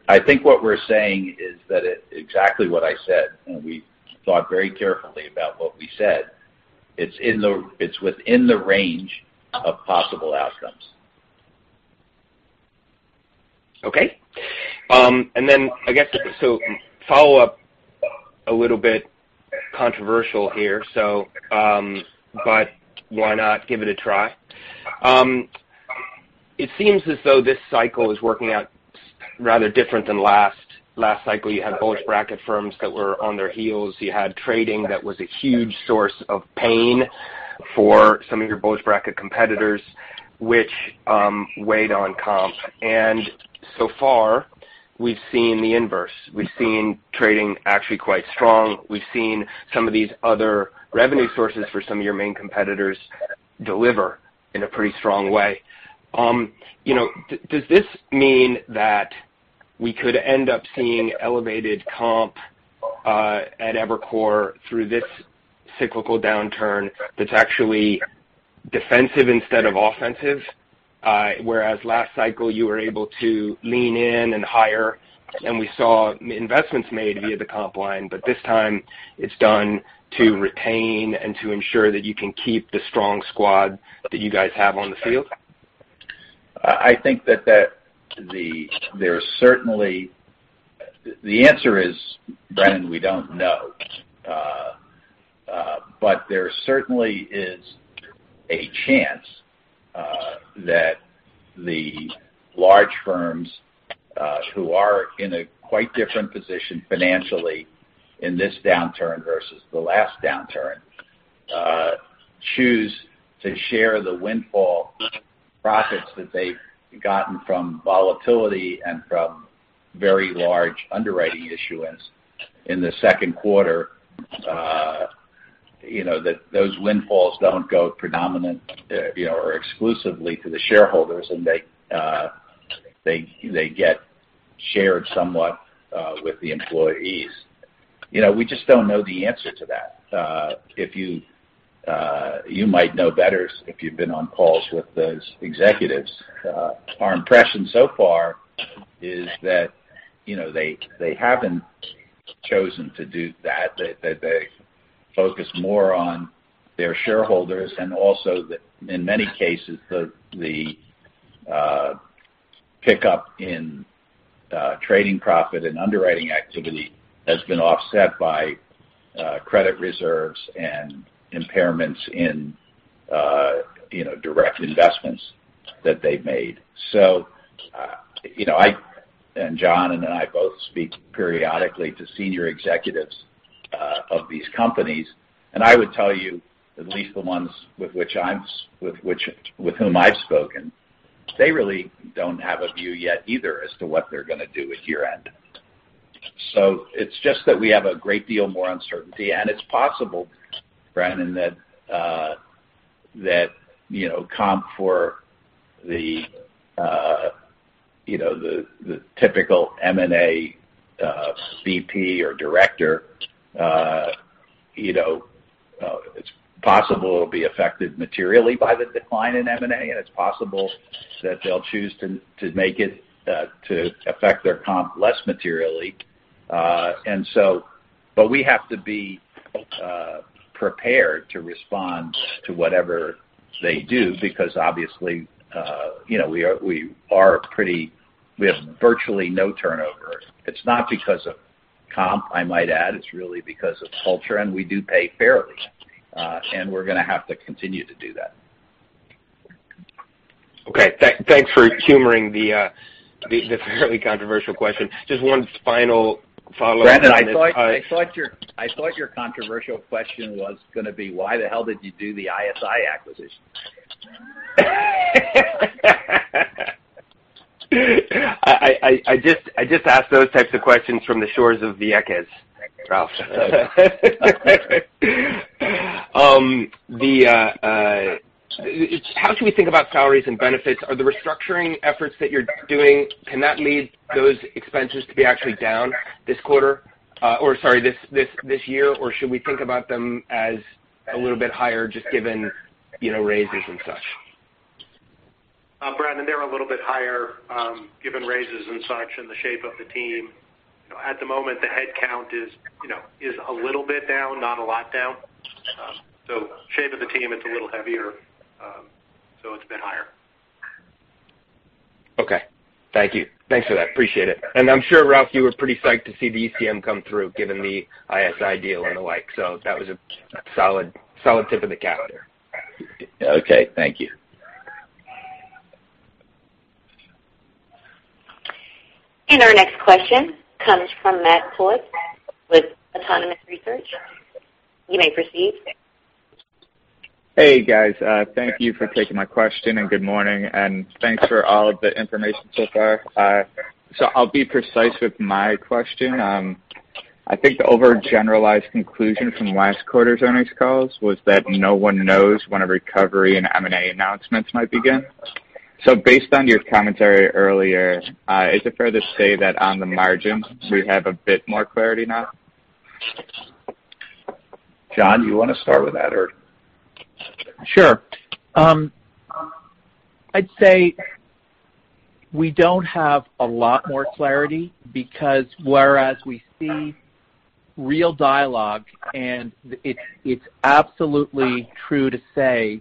I think what we're saying is that exactly what I said. We thought very carefully about what we said. It's within the range of possible outcomes. Okay. I guess, follow up, a little bit controversial here, but why not give it a try? It seems as though this cycle is working out rather different than last. Last cycle, you had bulge bracket firms that were on their heels. You had trading that was a huge source of pain for some of your bulge bracket competitors, which weighed on comp. So far we've seen the inverse. We've seen trading actually quite strong. We've seen some of these other revenue sources for some of your main competitors deliver in a pretty strong way. Does this mean that we could end up seeing elevated comp at Evercore through this cyclical downturn that's actually defensive instead of offensive? Last cycle you were able to lean in and hire, and we saw investments made via the comp line, but this time it's done to retain and to ensure that you can keep the strong squad that you guys have on the field? I think that there's certainly the answer is, Brennan, we don't know. There certainly is a chance that the large firms who are in a quite different position financially in this downturn versus the last downturn choose to share the windfall profits that they've gotten from volatility and from very large underwriting issuance in the second quarter. That those windfalls don't go predominant or exclusively to the shareholders, and they get shared somewhat with the employees. We just don't know the answer to that. You might know better if you've been on calls with those executives. Our impression so far is that they haven't chosen to do that they focus more on their shareholders and also that in many cases, the pickup in trading profit and underwriting activity has been offset by credit reserves and impairments in direct investments that they've made. John and I both speak periodically to senior executives of these companies, and I would tell you, at least the ones with whom I've spoken, they really don't have a view yet either as to what they're going to do at year-end. It's just that we have a great deal more uncertainty, and it's possible, Brennan, that comp for the typical M&A VP or director, it's possible it'll be affected materially by the decline in M&A, and it's possible that they'll choose to make it to affect their comp less materially. We have to be prepared to respond to whatever they do because obviously, we have virtually no turnover. It's not because of comp, I might add. It's really because of culture, and we do pay fairly. We're going to have to continue to do that. Okay. Thanks for humoring the fairly controversial question. Just one final follow-up. Brennan, I thought your controversial question was going to be why the hell did you do the ISI acquisition? I just asked those types of questions from the shores of Vieques, Ralph. How should we think about salaries and benefits? Are the restructuring efforts that you're doing, can that lead those expenses to be actually down this year? Should we think about them as a little bit higher, just given raises and such? Brennan, they're a little bit higher, given raises and such, and the shape of the team. At the moment, the headcount is a little bit down, not a lot down. Shape of the team, it's a little heavier, so it's a bit higher. Okay. Thank you. Thanks for that. Appreciate it. I'm sure, Ralph, you were pretty psyched to see the ECM come through, given the ISI deal and the like. That was a solid tip of the cap there. Okay. Thank you. Our next question comes from Matthew Roy with Autonomous Research. You may proceed. Hey, guys. Thank you for taking my question, and good morning, and thanks for all of the information so far. I'll be precise with my question. I think the overgeneralized conclusion from last quarter's earnings calls was that no one knows when a recovery in M&A announcements might begin. Based on your commentary earlier, is it fair to say that on the margin, we have a bit more clarity now? John, you want to start with that? Sure. I'd say we don't have a lot more clarity because whereas we see real dialogue, and it's absolutely true to say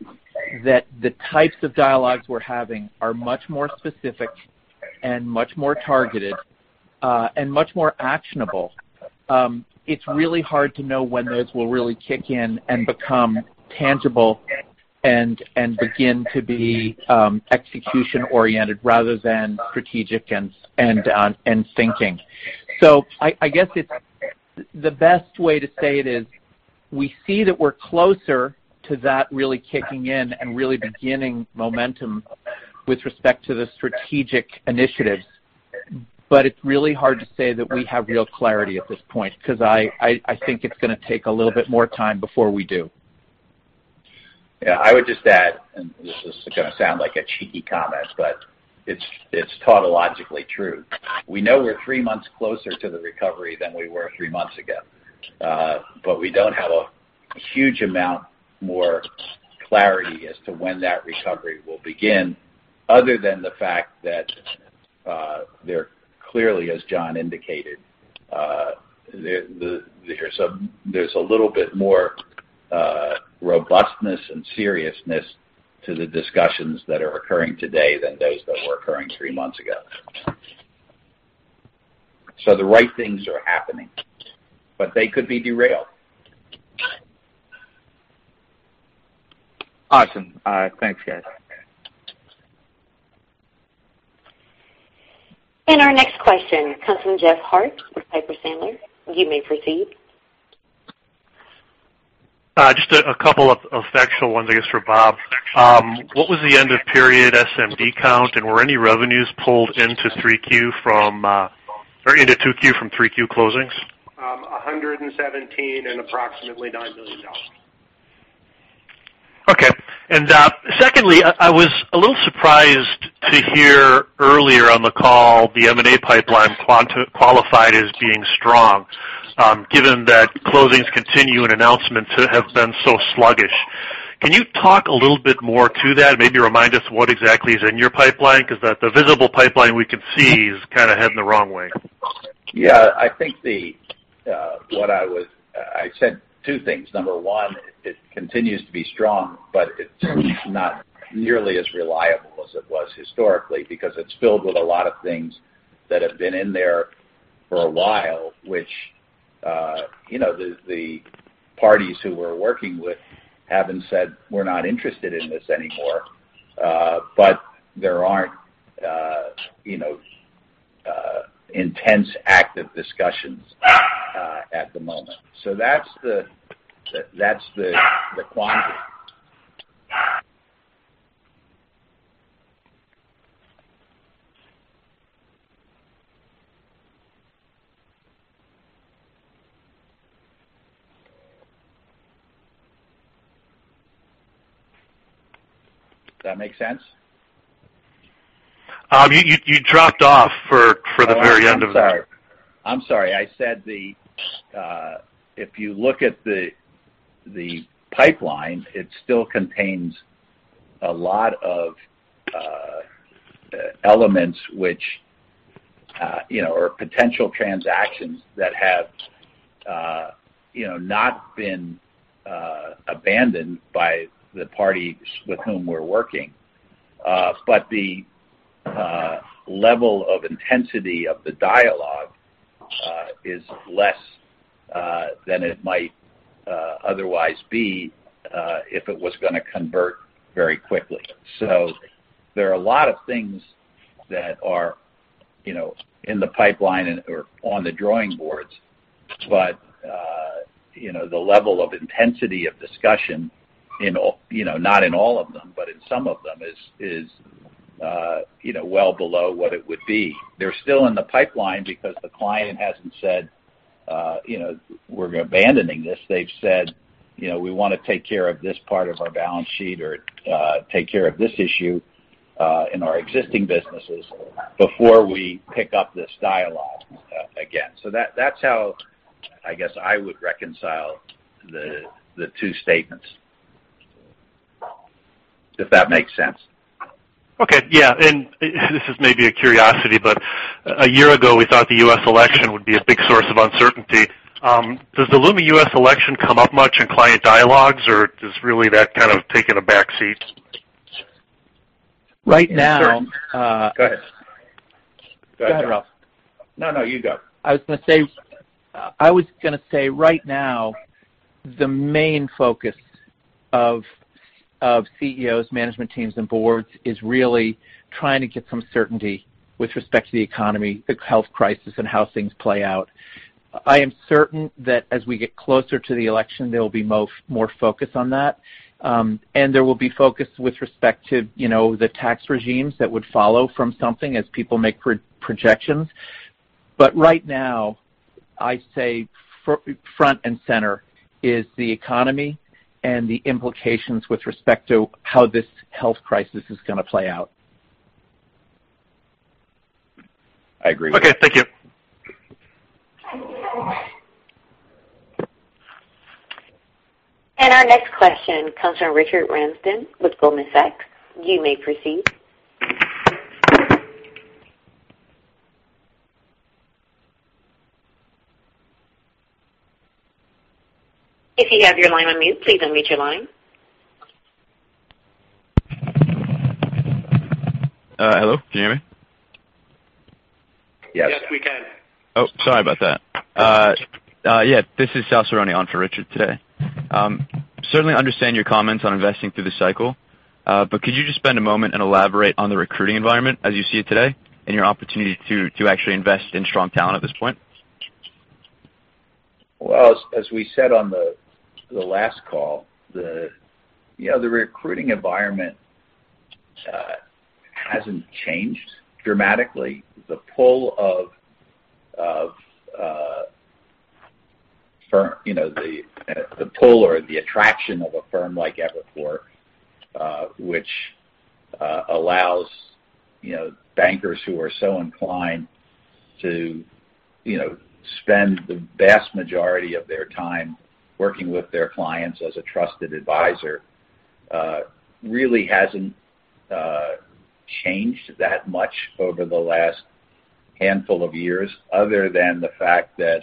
that the types of dialogues we're having are much more specific and much more targeted, and much more actionable. It's really hard to know when those will really kick in and become tangible and begin to be execution-oriented rather than strategic and thinking. I guess the best way to say it is, we see that we're closer to that really kicking in and really beginning momentum with respect to the strategic initiatives. It's really hard to say that we have real clarity at this point because I think it's going to take a little bit more time before we do. Yeah, I would just add, this is going to sound like a cheeky comment, but it's tautologically true. We know we're three months closer to the recovery than we were three months ago. We don't have a huge amount more clarity as to when that recovery will begin, other than the fact that there clearly, as John indicated, there's a little bit more robustness and seriousness to the discussions that are occurring today than those that were occurring three months ago. The right things are happening, but they could be derailed. Awesome. Thanks, guys. Our next question comes from Jeffery Harte with Piper Sandler. You may proceed. Just a couple of factual ones, I guess, for Bob. What was the end of period SMD count, and were any revenues pulled into 2Q from 3Q closings? 117 and approximately $9 million. Okay. Secondly, I was a little surprised to hear earlier on the call the M&A pipeline qualified as being strong, given that closings continue and announcements have been so sluggish. Can you talk a little bit more to that? Maybe remind us what exactly is in your pipeline, because the visible pipeline we can see is kind of heading the wrong way. Yeah, I said two things. Number one, it continues to be strong, but it's not nearly as reliable as it was historically because it's filled with a lot of things that have been in there for a while, which the parties who we're working with haven't said, "We're not interested in this anymore." There aren't intense, active discussions at the moment. That's the quantity. Does that make sense? You dropped off for the very end of that. Oh, I'm sorry. I'm sorry. I said that if you look at the pipeline, it still contains a lot of elements which are potential transactions that have not been abandoned by the parties with whom we're working. The level of intensity of the dialogue is less than it might otherwise be if it was going to convert very quickly. There are a lot of things that are in the pipeline or on the drawing boards. The level of intensity of discussion, not in all of them, but in some of them is well below what it would be. They're still in the pipeline because the client hasn't said, "We're abandoning this." They've said, "We want to take care of this part of our balance sheet or take care of this issue in our existing businesses before we pick up this dialogue again." That's how, I guess, I would reconcile the two statements. If that makes sense. Okay. Yeah. This is maybe a curiosity, but a year ago, we thought the U.S. election would be a big source of uncertainty. Does the looming U.S. election come up much in client dialogues, or has really that kind of taken a back seat? Right now- Go ahead. Go ahead, Ralph. No, you go. I was going to say, right now, the main focus of CEOs, management teams, and boards is really trying to get some certainty with respect to the economy, the health crisis, and how things play out. I am certain that as we get closer to the election, there'll be more focus on that. There will be focus with respect to the tax regimes that would follow from something as people make projections. Right now, I'd say front and center is the economy and the implications with respect to how this health crisis is going to play out. I agree. Okay. Thank you. Our next question comes from Richard Ramsden with Goldman Sachs. You may proceed. If you have your line on mute, please unmute your line. Hello? Can you hear me? Yes. Yes, we can. Oh, sorry about that. Yeah, this is Sal Cerrone on for Richard today. Certainly understand your comments on investing through the cycle. Could you just spend a moment and elaborate on the recruiting environment as you see it today and your opportunity to actually invest in strong talent at this point? Well, as we said on the last call, the recruiting environment hasn't changed dramatically. The pull or the attraction of a firm like Evercore which allows bankers who are so inclined to spend the vast majority of their time working with their clients as a trusted advisor really hasn't changed that much over the last handful of years other than the fact that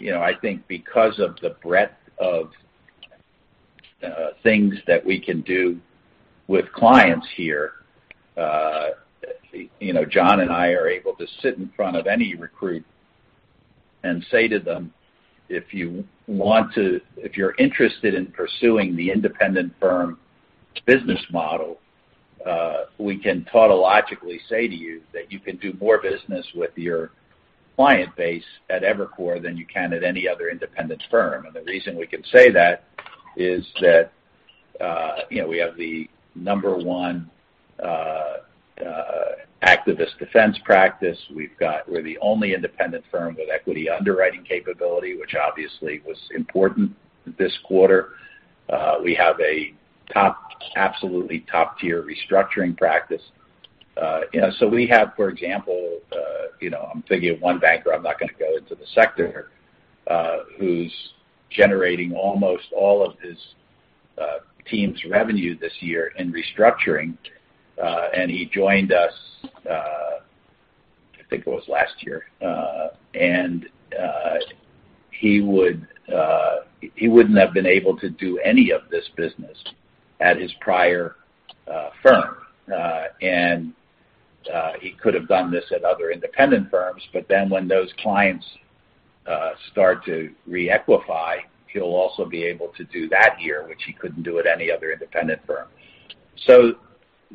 I think because of the breadth of things that we can do with clients here. John and I are able to sit in front of any recruit and say to them, "If you're interested in pursuing the independent firm business model, we can tautologically say to you that you can do more business with your client base at Evercore than you can at any other independent firm." The reason we can say that is that we have the number one activist defense practice. We're the only independent firm with equity underwriting capability, which obviously was important this quarter. We have an absolutely top-tier restructuring practice. We have, for example, I'm thinking of one banker, I'm not going to go into the sector, who's generating almost all of his team's revenue this year in restructuring. He joined us, I think it was last year. He wouldn't have been able to do any of this business at his prior firm. He could have done this at other independent firms, when those clients start to re-equify, he'll also be able to do that here, which he couldn't do at any other independent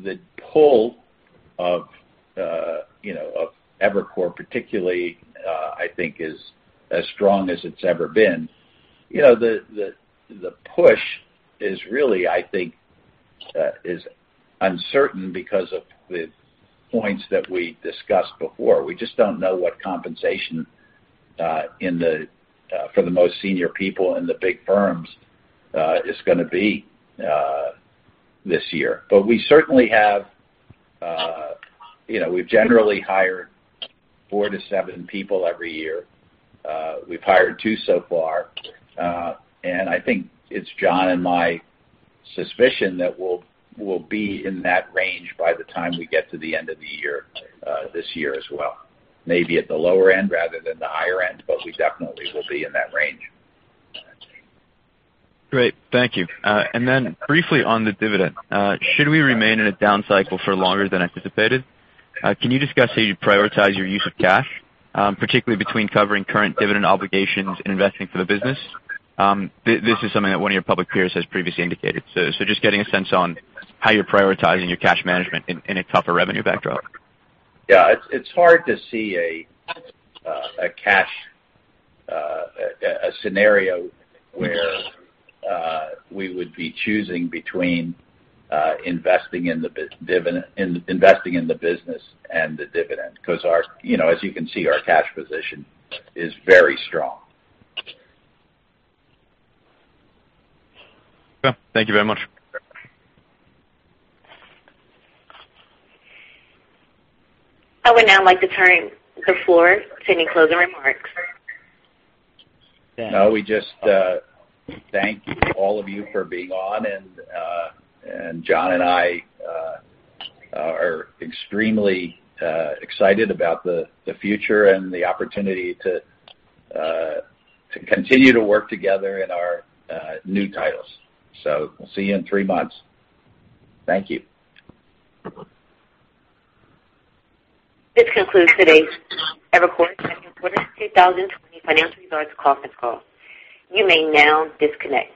firm. The pull of Evercore particularly, I think is as strong as it's ever been. The push is really, I think, uncertain because of the points that we discussed before. We just don't know what compensation for the most senior people in the big firms, is going to be this year. We certainly have generally hired four to seven people every year. We've hired two so far, and I think it's John and my suspicion that we'll be in that range by the time we get to the end of the year, this year as well, maybe at the lower end rather than the higher end, but we definitely will be in that range. Great. Thank you. Briefly on the dividend, should we remain in a down cycle for longer than anticipated? Can you discuss how you prioritize your use of cash, particularly between covering current dividend obligations and investing for the business? This is something that one of your public peers has previously indicated. Just getting a sense on how you're prioritizing your cash management in a tougher revenue backdrop. Yeah. It's hard to see a scenario where we would be choosing between investing in the business and the dividend, because as you can see, our cash position is very strong. Yeah. Thank you very much. I would now like to turn the floor to any closing remarks. No, we just thank all of you for being on, and John and I are extremely excited about the future and the opportunity to continue to work together in our new titles. We'll see you in three months. Thank you. This concludes today's Evercore Second Quarter 2020 Financial Results Call conference call. You may now disconnect.